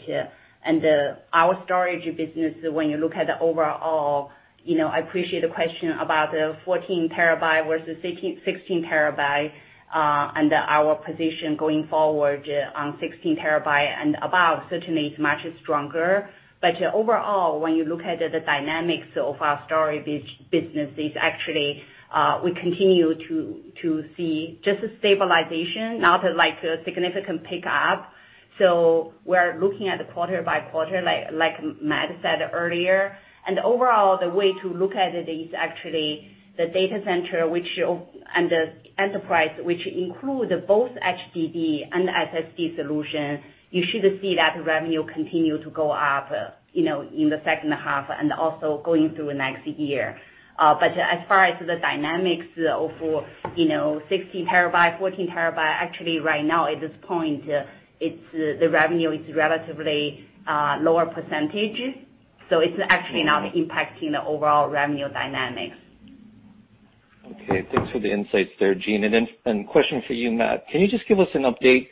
and our storage business, when you look at the overall, I appreciate the question about the 14 terabyte versus 16 terabyte, and our position going forward on 16 terabyte and above certainly is much stronger. Overall, when you look at the dynamics of our storage businesses, actually, we continue to see just a stabilization, not a significant pickup. We're looking at quarter by quarter, like Matt said earlier. Overall, the way to look at it is actually the data center and the enterprise, which include both HDD and SSD solution, you should see that revenue continue to go up in the second half and also going through next year. As far as the dynamics for 16 terabyte, 14 terabyte, actually right now at this point, the revenue is relatively lower percentage, so it's actually not impacting the overall revenue dynamics. Okay. Thanks for the insights there, Jean. Question for you, Matt. Can you just give us an update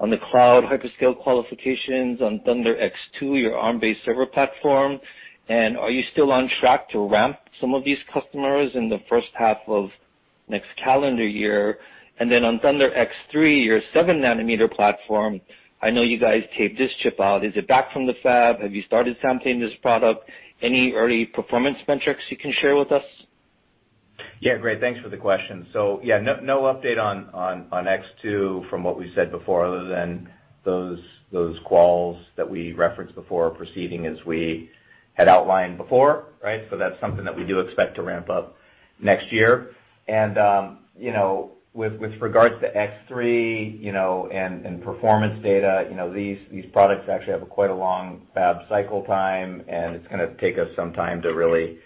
on the cloud hyperscale qualifications on ThunderX2, your Arm-based server platform, are you still on track to ramp some of these customers in the first half of next calendar year? On ThunderX3, your 7-nanometer platform, I know you guys taped this chip out. Is it back from the fab? Have you started sampling this product? Any early performance metrics you can share with us? Yeah, great. Thanks for the question. No update on X2 from what we said before, other than those calls that we referenced before are proceeding as we had outlined before, right? That's something that we do expect to ramp up next year. With regards to X3 and performance data, these products actually have quite a long fab cycle time, and it's going to take us some time to really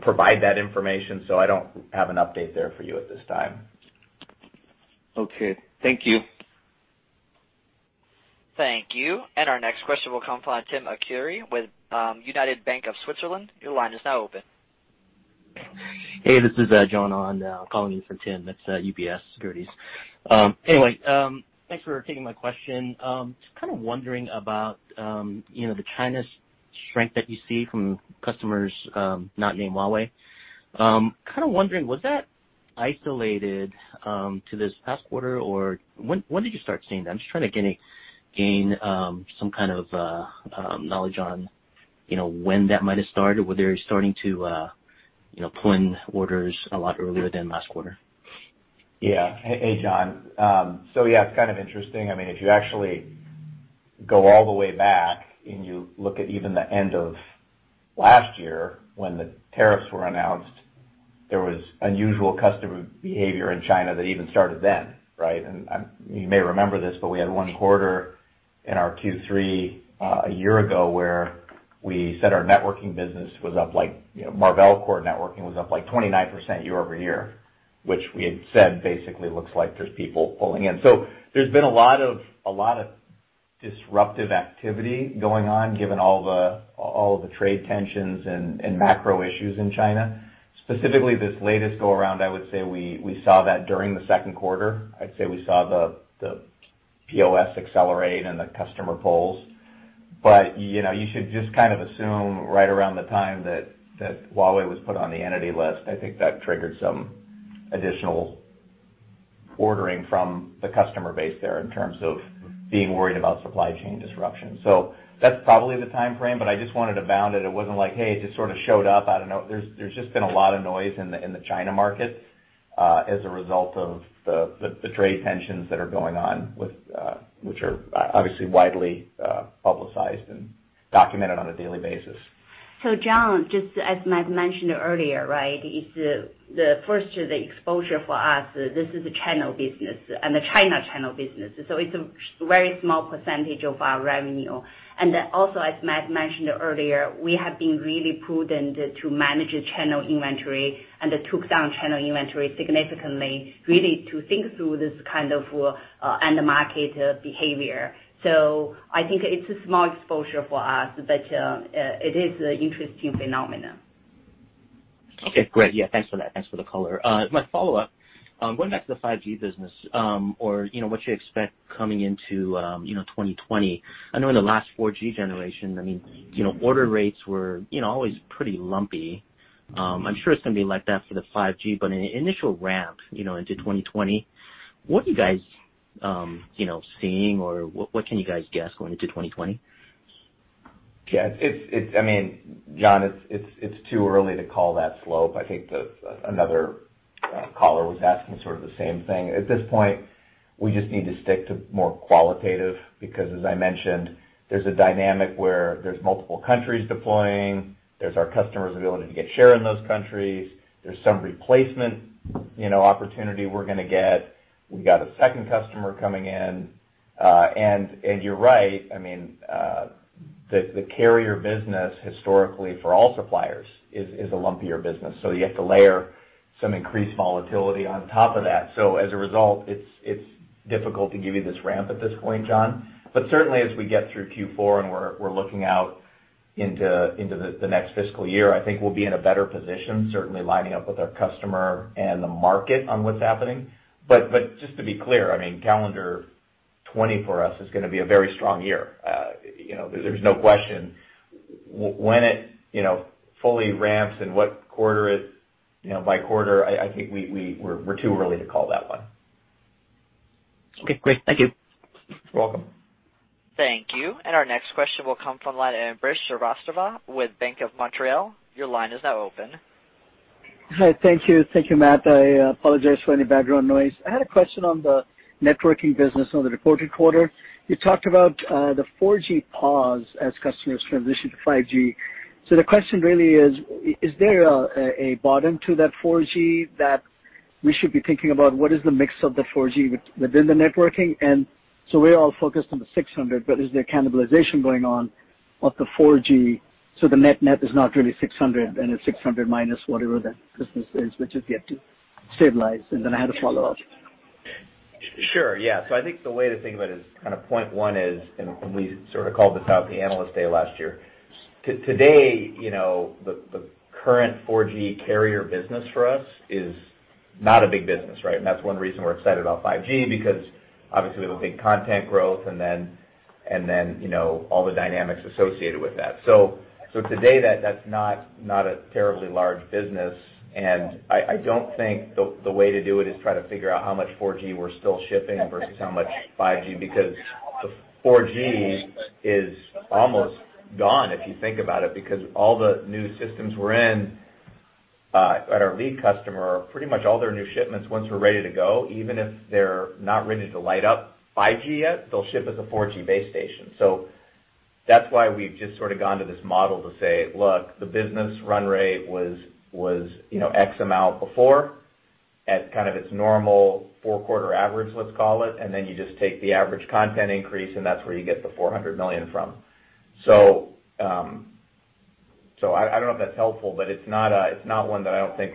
provide that information. I don't have an update there for you at this time. Okay. Thank you. Thank you. Our next question will come from Tim Arcuri with UBS. Your line is now open. Hey, this is John, calling in for Tim. It's UBS Securities. Thanks for taking my question. Kind of wondering about the China strength that you see from customers not named Huawei. Kind of wondering, was that isolated to this past quarter, or when did you start seeing that? I'm trying to gain some kind of knowledge on when that might have started, were they starting to pull in orders a lot earlier than last quarter? Yeah. Hey, John. Yeah, it's kind of interesting. If you actually go all the way back and you look at even the end of last year when the tariffs were announced, there was unusual customer behavior in China that even started then, right? You may remember this, but we had one quarter in our Q3 a year ago where we said our Marvell core networking was up like 29% year-over-year, which we had said basically looks like there's people pulling in. There's been a lot of disruptive activity going on, given all the trade tensions and macro issues in China. Specifically this latest go around, I would say we saw that during the second quarter. I'd say we saw the POS accelerate and the customer pulls. You should just kind of assume right around the time that Huawei was put on the entity list, I think that triggered some additional ordering from the customer base there in terms of being worried about supply chain disruption. That's probably the timeframe, but I just wanted to bound it. It wasn't like, hey, it just sort of showed up out of no. There's just been a lot of noise in the China market as a result of the trade tensions that are going on, which are obviously widely publicized and documented on a daily basis. John, just as Matt mentioned earlier, right? First, the exposure for us, this is a channel business and the China channel business, it's a very small percentage of our revenue. Also, as Matt mentioned earlier, we have been really prudent to manage the channel inventory and took down channel inventory significantly, really to think through this kind of end market behavior. I think it's a small exposure for us, but it is an interesting phenomenon. Okay, great. Yeah, thanks for that. Thanks for the color. My follow-up, going back to the 5G business, or what you expect coming into 2020. I know in the last 4G generation, order rates were always pretty lumpy. I'm sure it's going to be like that for the 5G, but in the initial ramp into 2020, what are you guys seeing or what can you guys guess going into 2020? Yeah. John, it's too early to call that slope. I think another caller was asking sort of the same thing. At this point, we just need to stick to more qualitative because as I mentioned, there's a dynamic where there's multiple countries deploying, there's our customer's ability to get share in those countries. There's some replacement opportunity we're going to get. We've got a second customer coming in. You're right, the carrier business historically for all suppliers is a lumpier business, so you have to layer some increased volatility on top of that. As a result, it's difficult to give you this ramp at this point, John. Certainly, as we get through Q4 and we're looking out into the next fiscal year, I think we'll be in a better position, certainly lining up with our customer and the market on what's happening. Just to be clear, calendar 2020 for us is going to be a very strong year. There's no question. When it fully ramps and what quarter. By quarter, I think we're too early to call that one. Okay, great. Thank you. You're welcome. Thank you. Our next question will come from the line of Ambrish Srivastava with Bank of Montreal. Your line is now open. Hi. Thank you. Thank you, Matt. I apologize for any background noise. I had a question on the networking business on the reported quarter. You talked about the 4G pause as customers transition to 5G. The question really is there a bottom to that 4G that we should be thinking about? What is the mix of the 4G within the networking? We're all focused on the 600, but is there cannibalization going on of the 4G, so the net is not really 600, and it's 600 minus whatever that business is, which is yet to stabilize? I had a follow-up. Sure. Yeah. I think the way to think of it is kind of point one is, we sort of called this out at the Analyst Day last year. Today, the current 4G carrier business for us is not a big business, right? That's one reason we're excited about 5G, because obviously we have a big content growth, and then all the dynamics associated with that. Today, that's not a terribly large business, and I don't think the way to do it is try to figure out how much 4G we're still shipping versus how much 5G, because the 4G is almost gone, if you think about it, because all the new systems we're in at our lead customer, pretty much all their new shipments, once we're ready to go, even if they're not ready to light up 5G yet, they'll ship as a 4G base station. That's why we've just sort of gone to this model to say, look, the business run rate was X amount before at kind of its normal four-quarter average, let's call it, and then you just take the average content increase, and that's where you get the $400 million from. I don't know if that's helpful, but it's not one that I don't think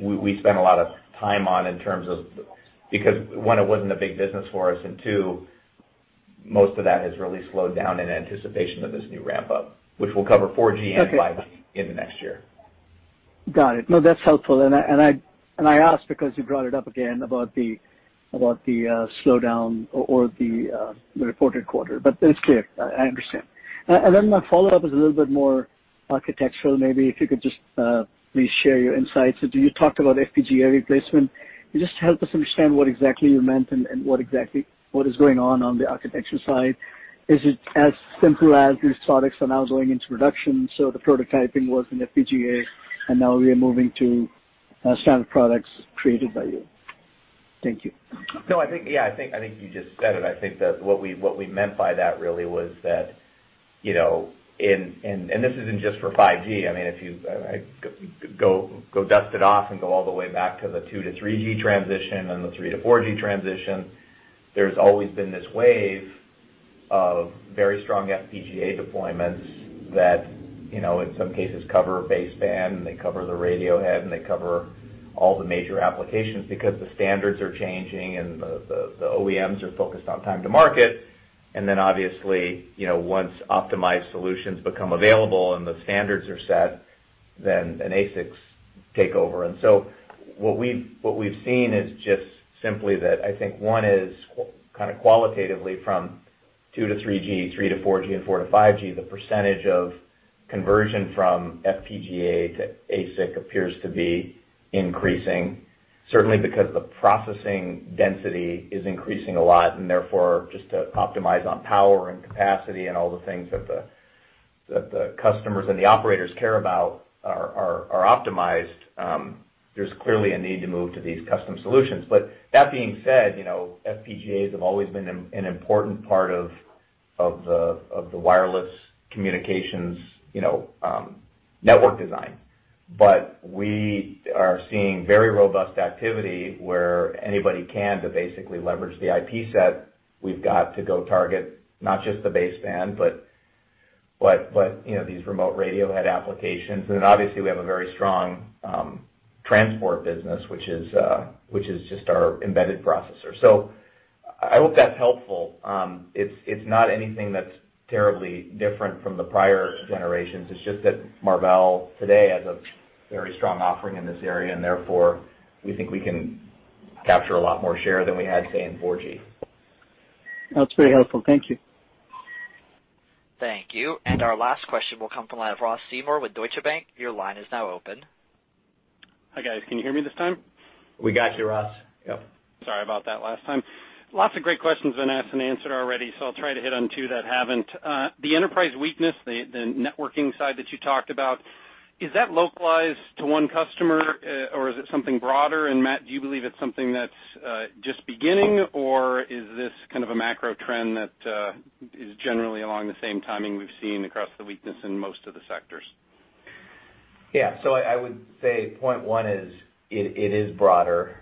we spend a lot of time on. One, it wasn't a big business for us, and two, most of that has really slowed down in anticipation of this new ramp-up, which we'll cover 4G and 5G in the next year. Got it. No, that's helpful. I asked because you brought it up again about the slowdown or the reported quarter. It's clear. I understand. My follow-up is a little bit more architectural, maybe if you could just please share your insights. You talked about FPGA replacement. Can you just help us understand what exactly you meant and what exactly is going on the architecture side? Is it as simple as these products are now going into production, so the prototyping was in FPGA, now we are moving to standard products created by you? Thank you. No, I think you just said it. I think that what we meant by that really was that, this isn't just for 5G. If you go dust it off and go all the way back to the 2 to 3G transition and the 3 to 4G transition, there's always been this wave of very strong FPGA deployments that, in some cases, cover baseband, and they cover the radio head, and they cover all the major applications because the standards are changing and the OEMs are focused on time to market. Then obviously, once optimized solutions become available and the standards are set, then an ASICs take over. What we've seen is just simply that I think one is kind of qualitatively from 2 to 3G, 3 to 4G, and 4 to 5G, the percentage of conversion from FPGA to ASIC appears to be increasing, certainly because the processing density is increasing a lot, and therefore, just to optimize on power and capacity and all the things that the customers and the operators care about are optimized. There's clearly a need to move to these custom solutions. That being said, FPGAs have always been an important part of the wireless communications network design. We are seeing very robust activity where anybody can to basically leverage the IP set we've got to go target not just the baseband, but these remote radio head applications. Obviously, we have a very strong transport business, which is just our embedded processor. I hope that's helpful. It's not anything that's terribly different from the prior generations. It's just that Marvell today has a very strong offering in this area, and therefore, we think we can capture a lot more share than we had, say, in 4G. That's very helpful. Thank you. Thank you. Our last question will come from Ross Seymore with Deutsche Bank. Your line is now open. Hi, guys. Can you hear me this time? We got you, Ross. Yep. Sorry about that last time. Lots of great questions been asked and answered already, so I'll try to hit on two that haven't. The enterprise weakness, the networking side that you talked about, is that localized to one customer, or is it something broader? Matt, do you believe it's something that's just beginning, or is this kind of a macro trend that is generally along the same timing we've seen across the weakness in most of the sectors? Yeah. I would say point 1 is it is broader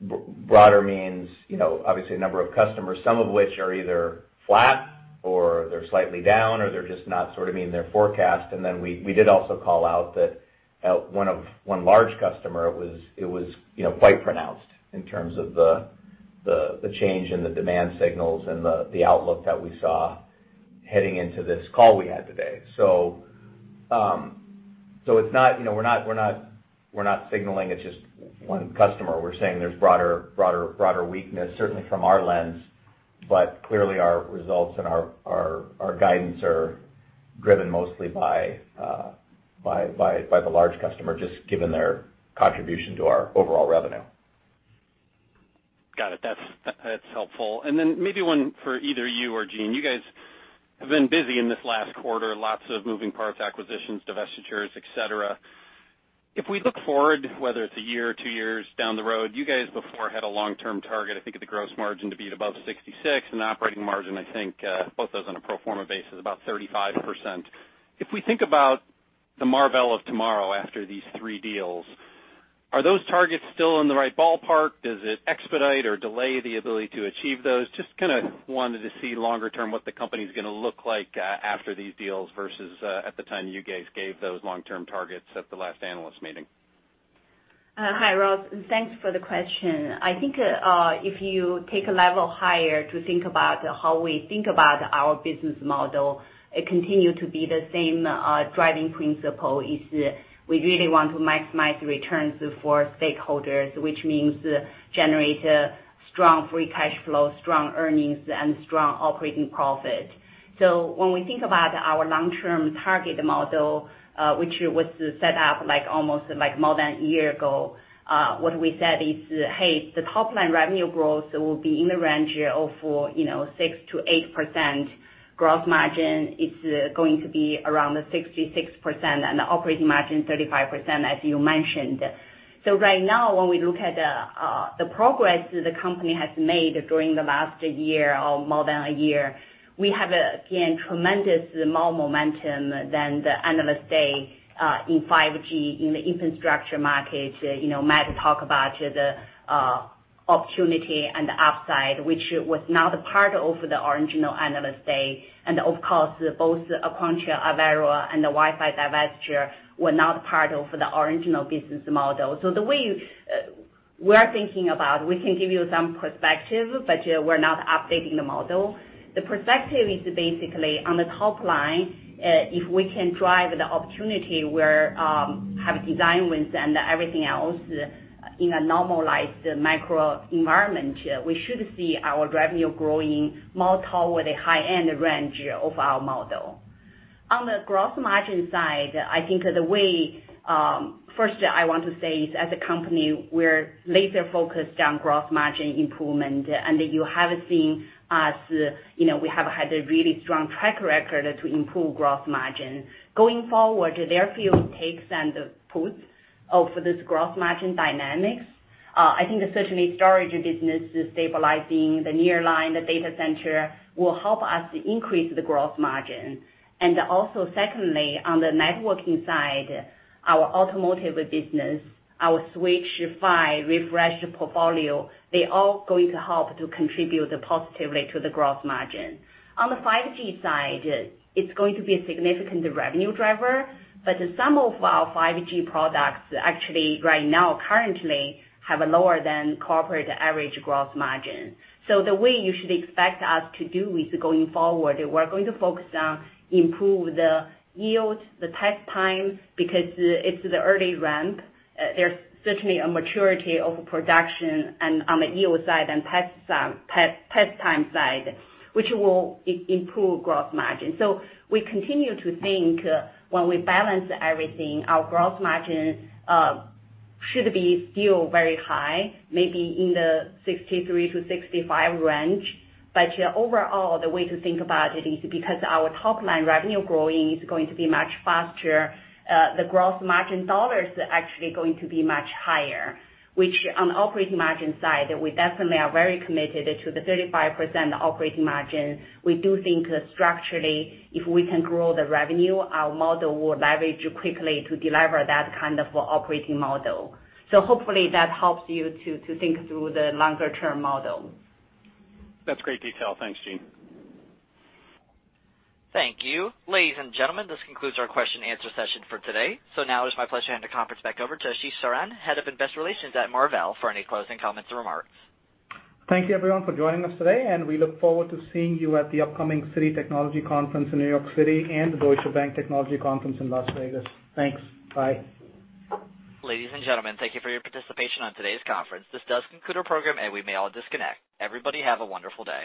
means obviously a number of customers, some of which are either flat or they're slightly down, or they're just not sort of meeting their forecast. We did also call out that one large customer, it was quite pronounced in terms of the change in the demand signals and the outlook that we saw heading into this call we had today. We're not signaling it's just one customer. We're saying there's broader weakness, certainly from our lens, but clearly, our results and our guidance are driven mostly by the large customer, just given their contribution to our overall revenue. Got it. That's helpful. Maybe one for either you or Jean. You guys have been busy in this last quarter, lots of moving parts, acquisitions, divestitures, et cetera. If we look forward, whether it's a year or two years down the road, you guys before had a long-term target, I think, at the gross margin to be above 66%, and operating margin, I think both those on a pro forma basis, about 35%. If we think about the Marvell of tomorrow after these three deals, are those targets still in the right ballpark? Does it expedite or delay the ability to achieve those? Just kind of wanted to see longer term what the company's going to look like after these deals versus at the time you guys gave those long-term targets at the last analyst meeting. Hi, Ross, and thanks for the question. I think if you take a level higher to think about how we think about our business model, it continue to be the same driving principle, is we really want to maximize returns for stakeholders, which means generate a strong free cash flow, strong earnings, and strong operating profit. When we think about our long-term target model, which was set up almost more than one year ago, what we said is, "Hey, the top-line revenue growth will be in the range for 6%-8% gross margin. It's going to be around 66% and the operating margin 35%", as you mentioned. Right now, when we look at the progress the company has made during the last year or more than one year, we have, again, tremendous momentum than the Analyst Day in 5G in the infrastructure market. Matt talked about the opportunity and the upside, which was not part of the original Analyst Day. Of course, both Aquantia, Avera, and the Wi-Fi divestiture were not part of the original business model. The way we're thinking about, we can give you some perspective, but we're not updating the model. The perspective is basically on the top line, if we can drive the opportunity where have design wins and everything else in a normalized macro environment, we should see our revenue growing more toward the high-end range of our model. On the gross margin side, I think the way, first I want to say is as a company, we're laser focused on gross margin improvement. You have seen us, we have had a really strong track record to improve gross margin. Going forward, there are a few takes and puts of this gross margin dynamics. I think certainly storage business stabilizing the Nearline, the data center, will help us increase the gross margin. Also secondly, on the networking side, our automotive business, our switch PHY refresh portfolio, they all going to help to contribute positively to the gross margin. On the 5G side, it's going to be a significant revenue driver, some of our 5G products actually right now currently have a lower than corporate average gross margin. The way you should expect us to do is going forward, we're going to focus on improve the yield, the test time, because it's the early ramp. There's certainly a maturity of production and on the yield side and test time side, which will improve gross margin. We continue to think when we balance everything, our gross margin should be still very high, maybe in the 63%-65% range. Overall, the way to think about it is because our top-line revenue growing is going to be much faster, the gross margin dollar is actually going to be much higher. Which on the operating margin side, we definitely are very committed to the 35% operating margin. We do think structurally, if we can grow the revenue, our model will leverage quickly to deliver that kind of operating model. So hopefully that helps you to think through the longer-term model. That's great detail. Thanks, Jean. Thank you. Ladies and gentlemen, this concludes our question and answer session for today. Now it's my pleasure to hand the conference back over to Ashish Saran, Head of Investor Relations at Marvell, for any closing comments or remarks. Thank you, everyone, for joining us today, and we look forward to seeing you at the upcoming Citi Global Technology Conference in New York City and the Deutsche Bank Technology Conference in Las Vegas. Thanks. Bye. Ladies and gentlemen, thank you for your participation on today's conference. This does conclude our program, and we may all disconnect. Everybody have a wonderful day.